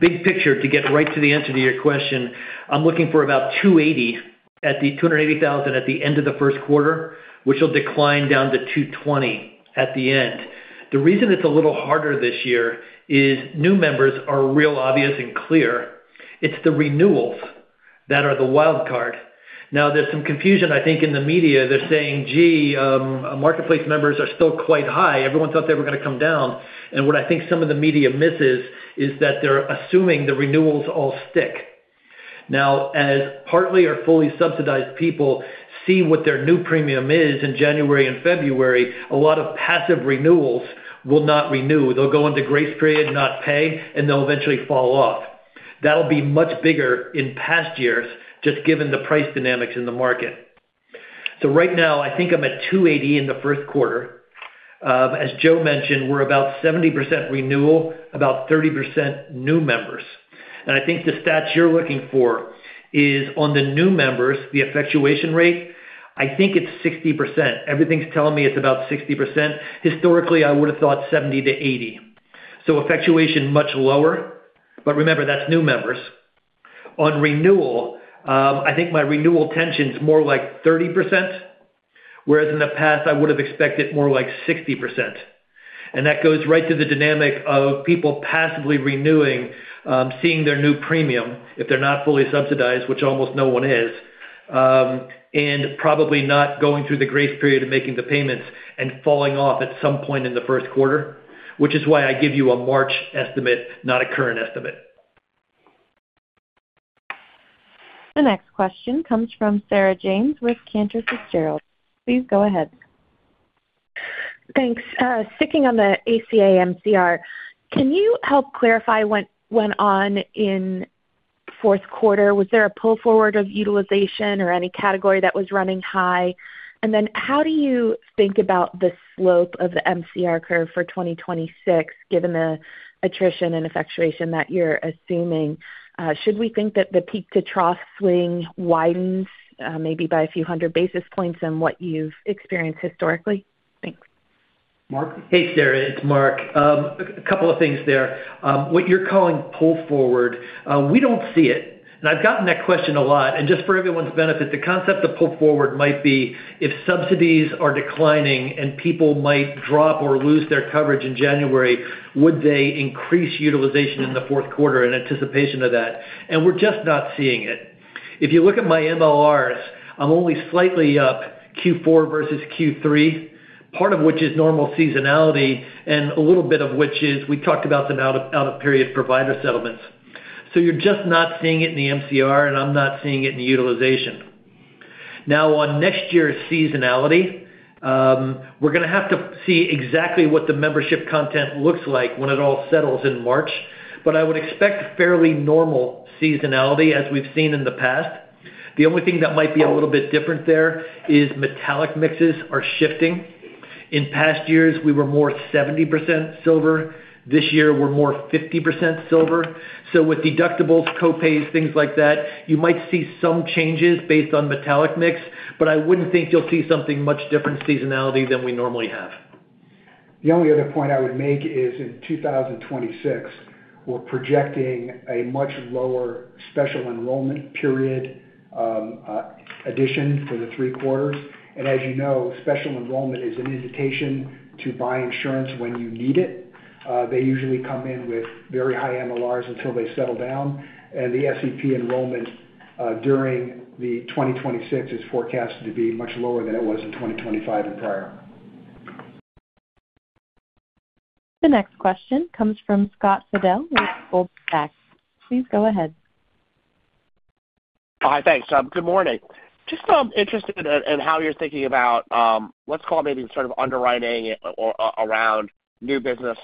Big picture, to get right to the answer to your question, I'm looking for about 280, at the 280,000 at the end of the first quarter, which will decline down to 220 at the end. The reason it's a little harder this year is new members are real obvious and clear. It's the renewals that are the wild card. Now, there's some confusion, I think, in the media. They're saying, "Gee, Marketplace members are still quite high. Everyone thought they were gonna come down." And what I think some of the media misses is that they're assuming the renewals all stick. Now, as partly or fully subsidized people see what their new premium is in January and February, a lot of passive renewals will not renew. They'll go into grace period, not pay, and they'll eventually fall off. That'll be much bigger in past years, just given the price dynamics in the market. So right now, I think I'm at 280 in the first quarter. As Joe mentioned, we're about 70% renewal, about 30% new members. And I think the stats you're looking for is on the new members, the effectuation rate, I think it's 60%. Everything's telling me it's about 60%. Historically, I would've thought 70%-80%, so effectuation much lower, but remember, that's new members. On renewal, I think my renewal tension's more like 30%, whereas in the past I would've expected more like 60%. That goes right to the dynamic of people passively renewing, seeing their new premium, if they're not fully subsidized, which almost no one is, and probably not going through the grace period of making the payments and falling off at some point in the first quarter, which is why I give you a March estimate, not a current estimate. The next question comes from Sarah James with Cantor Fitzgerald. Please go ahead. Thanks. Sticking on the ACA MCR, can you help clarify what went on in fourth quarter? Was there a pull forward of utilization or any category that was running high? And then how do you think about the slope of the MCR curve for 2026, given the attrition and effectuation that you're assuming? Should we think that the peak to trough swing widens, maybe by a few hundred basis points on what you've experienced historically? Thanks. Mark? Hey, Sarah, it's Mark. A couple of things there. What you're calling pull forward, we don't see it, and I've gotten that question a lot. Just for everyone's benefit, the concept of pull forward might be if subsidies are declining and people might drop or lose their coverage in January, would they increase utilization in the fourth quarter in anticipation of that? We're just not seeing it. If you look at my MLRs, I'm only slightly up Q4 versus Q3, part of which is normal seasonality, and a little bit of which is, we talked about the out-of-period provider settlements. So you're just not seeing it in the MCR, and I'm not seeing it in the utilization. Now, on next year's seasonality, we're gonna have to see exactly what the membership content looks like when it all settles in March, but I would expect fairly normal seasonality as we've seen in the past. The only thing that might be a little bit different there is metallic mixes are shifting. In past years, we were more 70% silver. This year, we're more 50% silver. So with deductibles, co-pays, things like that, you might see some changes based on metallic mix, but I wouldn't think you'll see something much different seasonality than we normally have. The only other point I would make is, in 2026, we're projecting a much lower special enrollment period addition for the three quarters. As you know, special enrollment is an invitation to buy insurance when you need it. They usually come in with very high MLRs until they settle down, and the SEP enrollment during the 2026 is forecasted to be much lower than it was in 2025 and prior. The next question comes from Scott Fidel with Goldman Sachs. Please go ahead. Hi, thanks. Good morning. Just interested in how you're thinking about, let's call it maybe sort of underwriting or around new business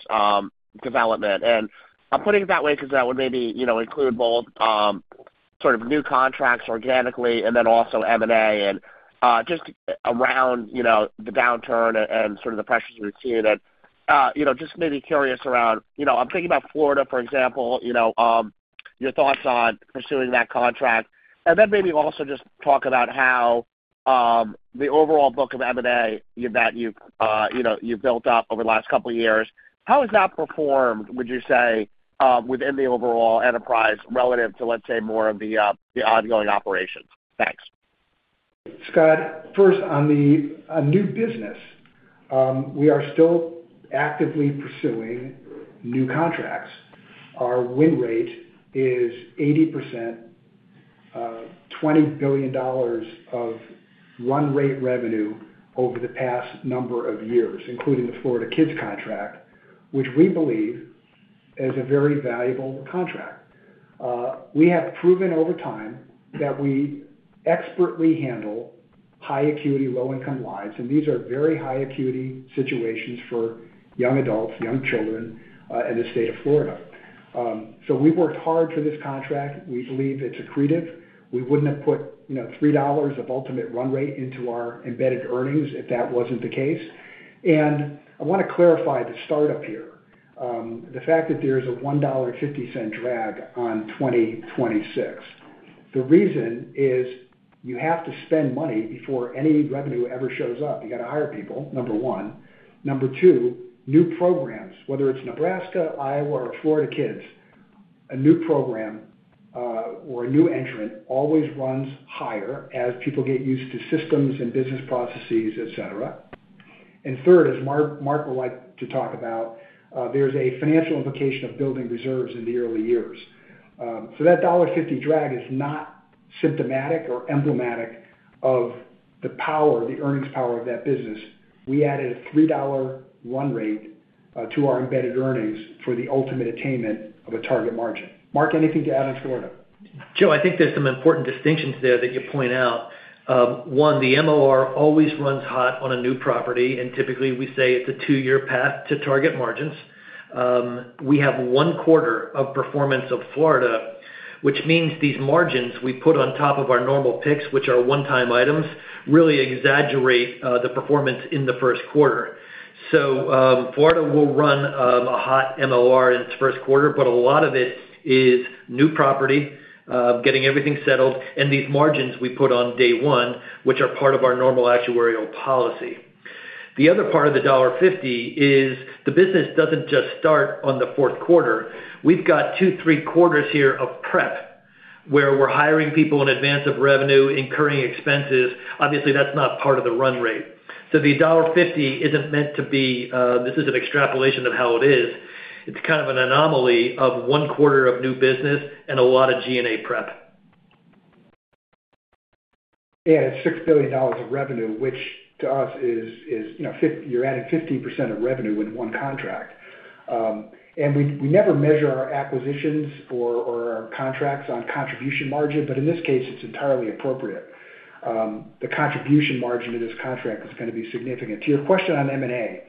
development. And I'm putting it that way because that would maybe, you know, include both, sort of new contracts organically and then also M&A, and, just around, you know, the downturn and sort of the pressures we're seeing that, you know, just maybe curious around... You know, I'm thinking about Florida, for example, you know, your thoughts on pursuing that contract. And then maybe also just talk about how, the overall book of M&A you've built up over the last couple of years, how has that performed, would you say, within the overall enterprise relative to, let's say, more of the ongoing operations? Thanks. Scott, first, on new business, we are still actively pursuing new contracts. Our win rate is 80%, $20 billion of run rate revenue over the past number of years, including the Florida Kids contract, which we believe is a very valuable contract. We have proven over time that we expertly handle high acuity, low-income lives, and these are very high acuity situations for young adults, young children, in the state of Florida. So we've worked hard for this contract. We believe it's accretive. We wouldn't have put, you know, $3 of ultimate run rate into our embedded earnings if that wasn't the case. And I want to clarify the startup here. The fact that there's a $1.50 drag on 2026, the reason is you have to spend money before any revenue ever shows up. You got to hire people, number one. Number two, new programs, whether it's Nebraska, Iowa, or Florida Kids, a new program, or a new entrant always runs higher as people get used to systems and business processes, et cetera. And third, as Mark would like to talk about, there's a financial implication of building reserves in the early years. So that $1.50 drag is not symptomatic or emblematic of the power, the earnings power of that business. We added a $3 run rate to our embedded earnings for the ultimate attainment of a target margin. Mark, anything to add on Florida? Joe, I think there's some important distinctions there that you point out. One, the MOR always runs hot on a new property, and typically, we say it's a two-year path to target margins. We have one quarter of performance of Florida, which means these margins we put on top of our normal picks, which are one-time items, really exaggerate the performance in the first quarter. So, Florida will run a hot MOR in its first quarter, but a lot of it is new property getting everything settled, and these margins we put on day one, which are part of our normal actuarial policy. The other part of the $150 is the business doesn't just start on the fourth quarter. We've got two, three quarters here of prep, where we're hiring people in advance of revenue, incurring expenses. Obviously, that's not part of the run rate. So the $1.50 isn't meant to be. This is an extrapolation of how it is. It's kind of an anomaly of one quarter of new business and a lot of G&A prep. It's $6 billion of revenue, which to us is, you know, you're adding 15% of revenue with one contract. We never measure our acquisitions or our contracts on contribution margin, but in this case, it's entirely appropriate. The contribution margin in this contract is going to be significant. To your question on M&A,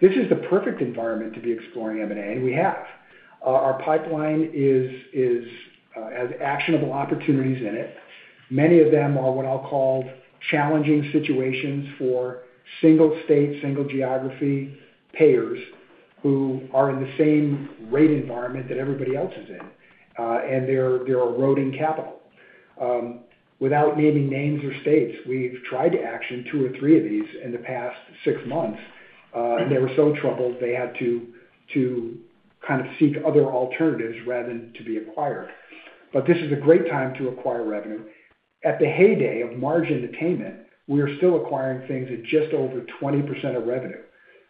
this is the perfect environment to be exploring M&A, and we have. Our pipeline has actionable opportunities in it. Many of them are what I'll call challenging situations for single state, single geography payers who are in the same rate environment that everybody else is in, and they're eroding capital. Without naming names or states, we've tried to action two or three of these in the past six months, and they were so troubled, they had to kind of seek other alternatives rather than to be acquired. But this is a great time to acquire revenue. At the heyday of margin attainment, we are still acquiring things at just over 20% of revenue,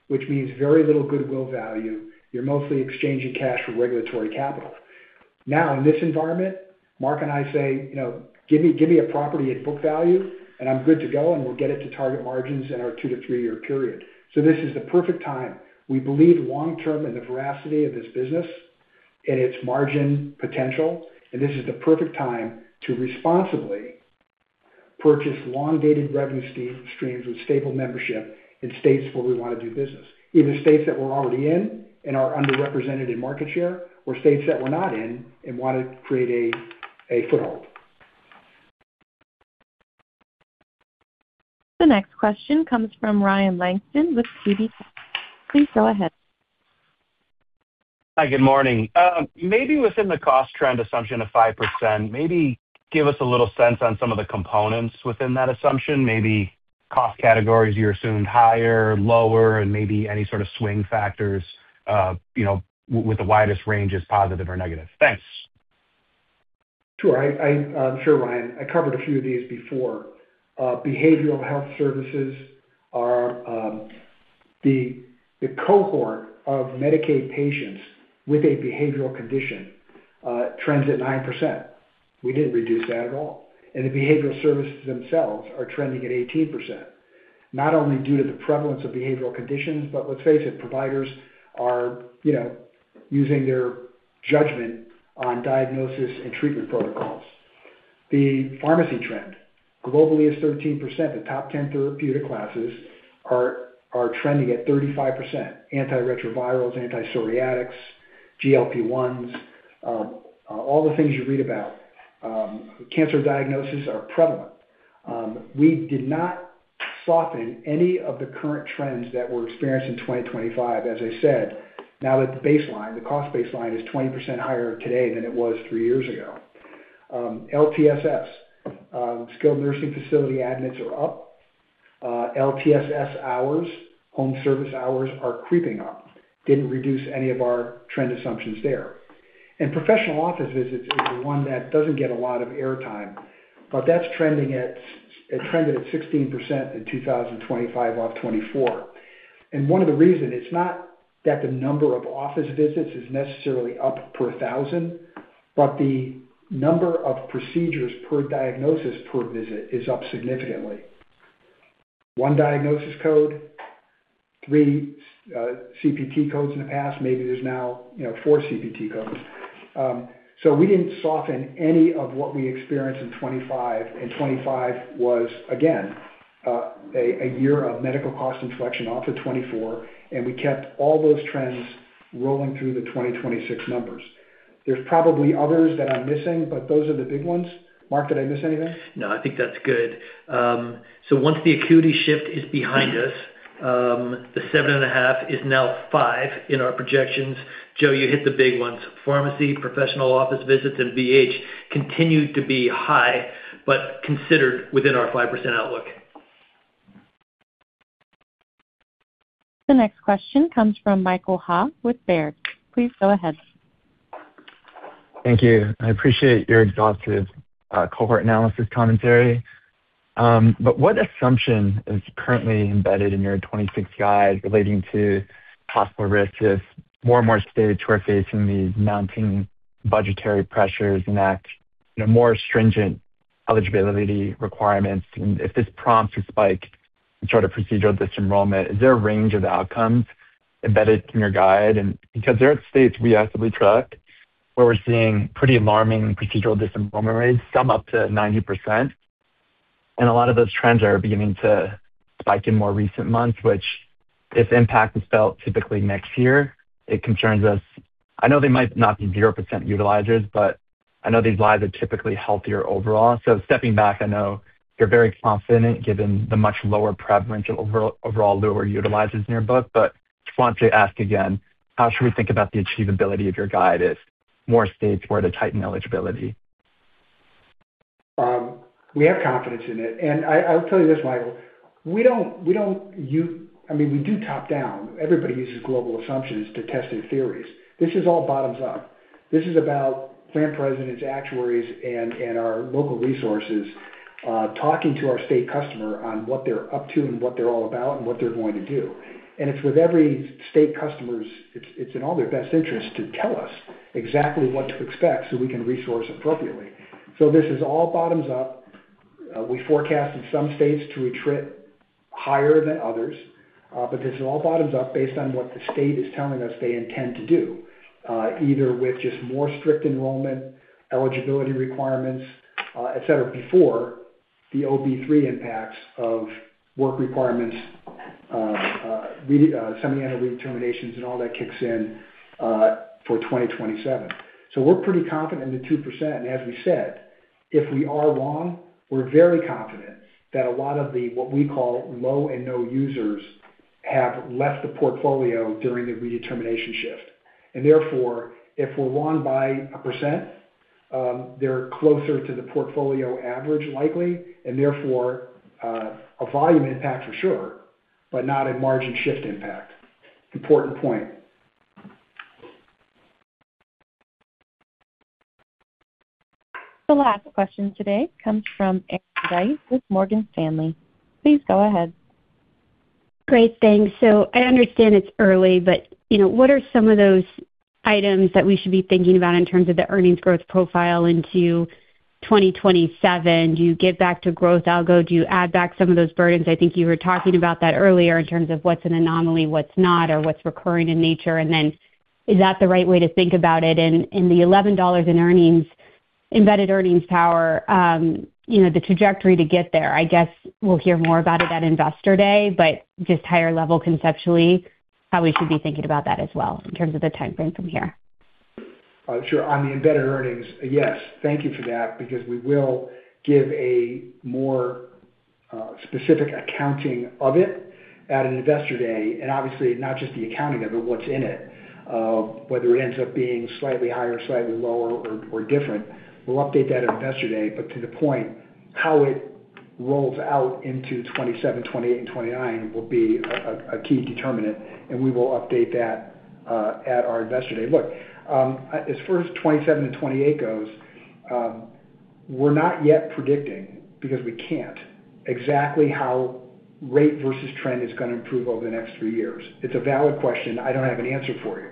which means very little goodwill value. You're mostly exchanging cash for regulatory capital. Now, in this environment, Mark and I say, "You know, give me, give me a property at book value, and I'm good to go, and we'll get it to target margins in our two to three-year period." So this is the perfect time. We believe long-term in the veracity of this business and its margin potential, and this is the perfect time to responsibly purchase long-dated revenue streams with stable membership in states where we want to do business, either states that we're already in and are underrepresented in market share, or states that we're not in and want to create a foothold. The next question comes from Ryan Langston with TD Cowen. Please go ahead. Hi, good morning. Maybe within the cost trend assumption of 5%, maybe give us a little sense on some of the components within that assumption. Maybe cost categories you assumed higher, lower, and maybe any sort of swing factors, you know, with the widest range as positive or negative. Thanks. Sure. Sure, Ryan. I covered a few of these before. Behavioral health services are the cohort of Medicaid patients with a behavioral condition trends at 9%. We didn't reduce that at all. And the behavioral services themselves are trending at 18%, not only due to the prevalence of behavioral conditions, but let's face it, providers are, you know, using their judgment on diagnosis and treatment protocols. The pharmacy trend globally is 13%. The top 10 therapeutic classes are trending at 35%. Antiretrovirals, antipsoriatics, GLP-1s, all the things you read about. Cancer diagnoses are prevalent. We did not soften any of the current trends that we're experiencing in 2025, as I said, now that the baseline, the cost baseline, is 20% higher today than it was three years ago. LTSS, skilled nursing facility admits are up. LTSS hours, home service hours are creeping up. Didn't reduce any of our trend assumptions there. And professional office visits is the one that doesn't get a lot of airtime, but that's trending at—it trended at 16% in 2025, off 2024. And one of the reason, it's not that the number of office visits is necessarily up per 1,000, but the number of procedures per diagnosis per visit is up significantly. One diagnosis code, three, CPT codes in the past, maybe there's now, you know, four CPT codes. So we didn't soften any of what we experienced in 2025, and 2025 was, again, a year of medical cost inflection off of 2024, and we kept all those trends rolling through the 2026 numbers. There's probably others that I'm missing, but those are the big ones. Mark, did I miss anything? No, I think that's good. So once the acuity shift is behind us, the 7.5% is now 5% in our projections. Joe, you hit the big ones. Pharmacy, professional office visits, and BH continued to be high, but considered within our 5% outlook. The next question comes from Michael Ha with Baird. Please go ahead. Thank you. I appreciate your exhaustive cohort analysis commentary. But what assumption is currently embedded in your 2026 guide relating to possible risks if more and more states who are facing these mounting budgetary pressures enact, you know, more stringent eligibility requirements? And if this prompts a spike in sort of procedural disenrollment, is there a range of outcomes embedded in your guide? And because there are states we actively track, where we're seeing pretty alarming procedural disenrollment rates, some up to 90%, and a lot of those trends are beginning to spike in more recent months, which if impact is felt typically next year, it concerns us. I know they might not be 0% utilizers, but I know these lives are typically healthier overall. So stepping back, I know you're very confident, given the much lower prevalence of overall, overall lower utilizers in your book, but just want to ask again, how should we think about the achievability of your guide if more states were to tighten eligibility? We have confidence in it, and I'll tell you this, Michael. I mean, we do top down. Everybody uses global assumptions to test their theories. This is all bottoms up. This is about plan presidents, actuaries, and our local resources talking to our state customer on what they're up to and what they're all about and what they're going to do. And it's with every state customers, it's in all their best interest to tell us exactly what to expect so we can resource appropriately. So this is all bottoms up. We forecast in some states to retreat higher than others, but this all bottoms up based on what the state is telling us they intend to do, either with just more strict enrollment, eligibility requirements, et cetera, before the OB3 impacts of work requirements, semiannual redeterminations, and all that kicks in, for 2027. So we're pretty confident in the 2%. And as we said, if we are wrong, we're very confident that a lot of the, what we call, low and no users, have left the portfolio during the redetermination shift. And therefore, if we're wrong by 1%, they're closer to the portfolio average, likely, and therefore, a volume impact for sure, but not a margin shift impact. Important point. The last question today comes from Erin Wright with Morgan Stanley. Please go ahead. Great, thanks. I understand it's early, but, you know, what are some of those items that we should be thinking about in terms of the earnings growth profile into 2027? Do you get back to growth algo? Do you add back some of those burdens? I think you were talking about that earlier in terms of what's an anomaly, what's not, or what's recurring in nature, and then is that the right way to think about it? In the $11 in earnings, embedded earnings power, you know, the trajectory to get there, I guess we'll hear more about it at Investor Day, but just higher level conceptually, how we should be thinking about that as well in terms of the timeframe from here? Sure. On the embedded earnings, yes, thank you for that, because we will give a more specific accounting of it at an Investor Day, and obviously not just the accounting of it, but what's in it. Whether it ends up being slightly higher, slightly lower, or different, we'll update that at Investor Day. But to the point, how it rolls out into 2027, 2028, and 2029 will be a key determinant, and we will update that at our Investor Day. Look, as far as 2027 to 2028 goes, we're not yet predicting, because we can't, exactly how rate versus trend is gonna improve over the next three years. It's a valid question. I don't have an answer for you.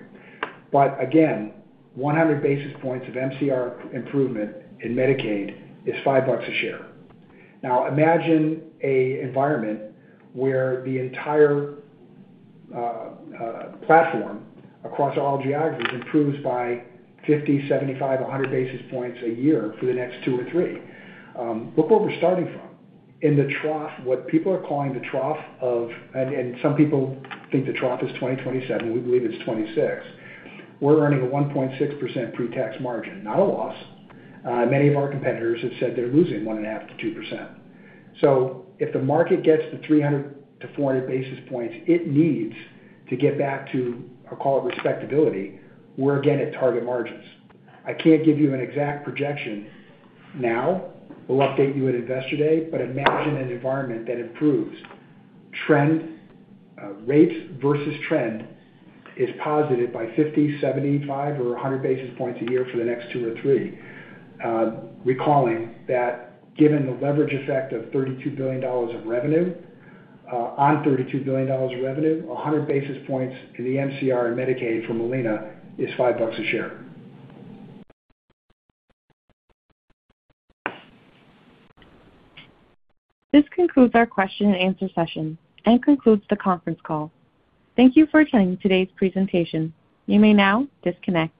But again, 100 basis points of MCR improvement in Medicaid is $5 a share. Now, imagine an environment where the entire platform across all geographies improves by 50, 75, 100 basis points a year for the next two or three. Look where we're starting from. In the trough, what people are calling the trough—and some people think the trough is 2027, we believe it's 2026. We're earning a 1.6% pretax margin, not a loss. Many of our competitors have said they're losing 1.5%-2%. So if the market gets to 300-400 basis points, it needs to get back to, I'll call it, respectability, we're again at target margins. I can't give you an exact projection now. We'll update you at Investor Day, but imagine an environment that improves trend, rates versus trend is positive by 50, 75, or 100 basis points a year for the next two or three. Recalling that given the leverage effect of $32 billion of revenue, on $32 billion of revenue, 100 basis points to the MCR in Medicaid for Molina is $5 a share. This concludes our question and answer session and concludes the conference call. Thank you for attending today's presentation. You may now disconnect.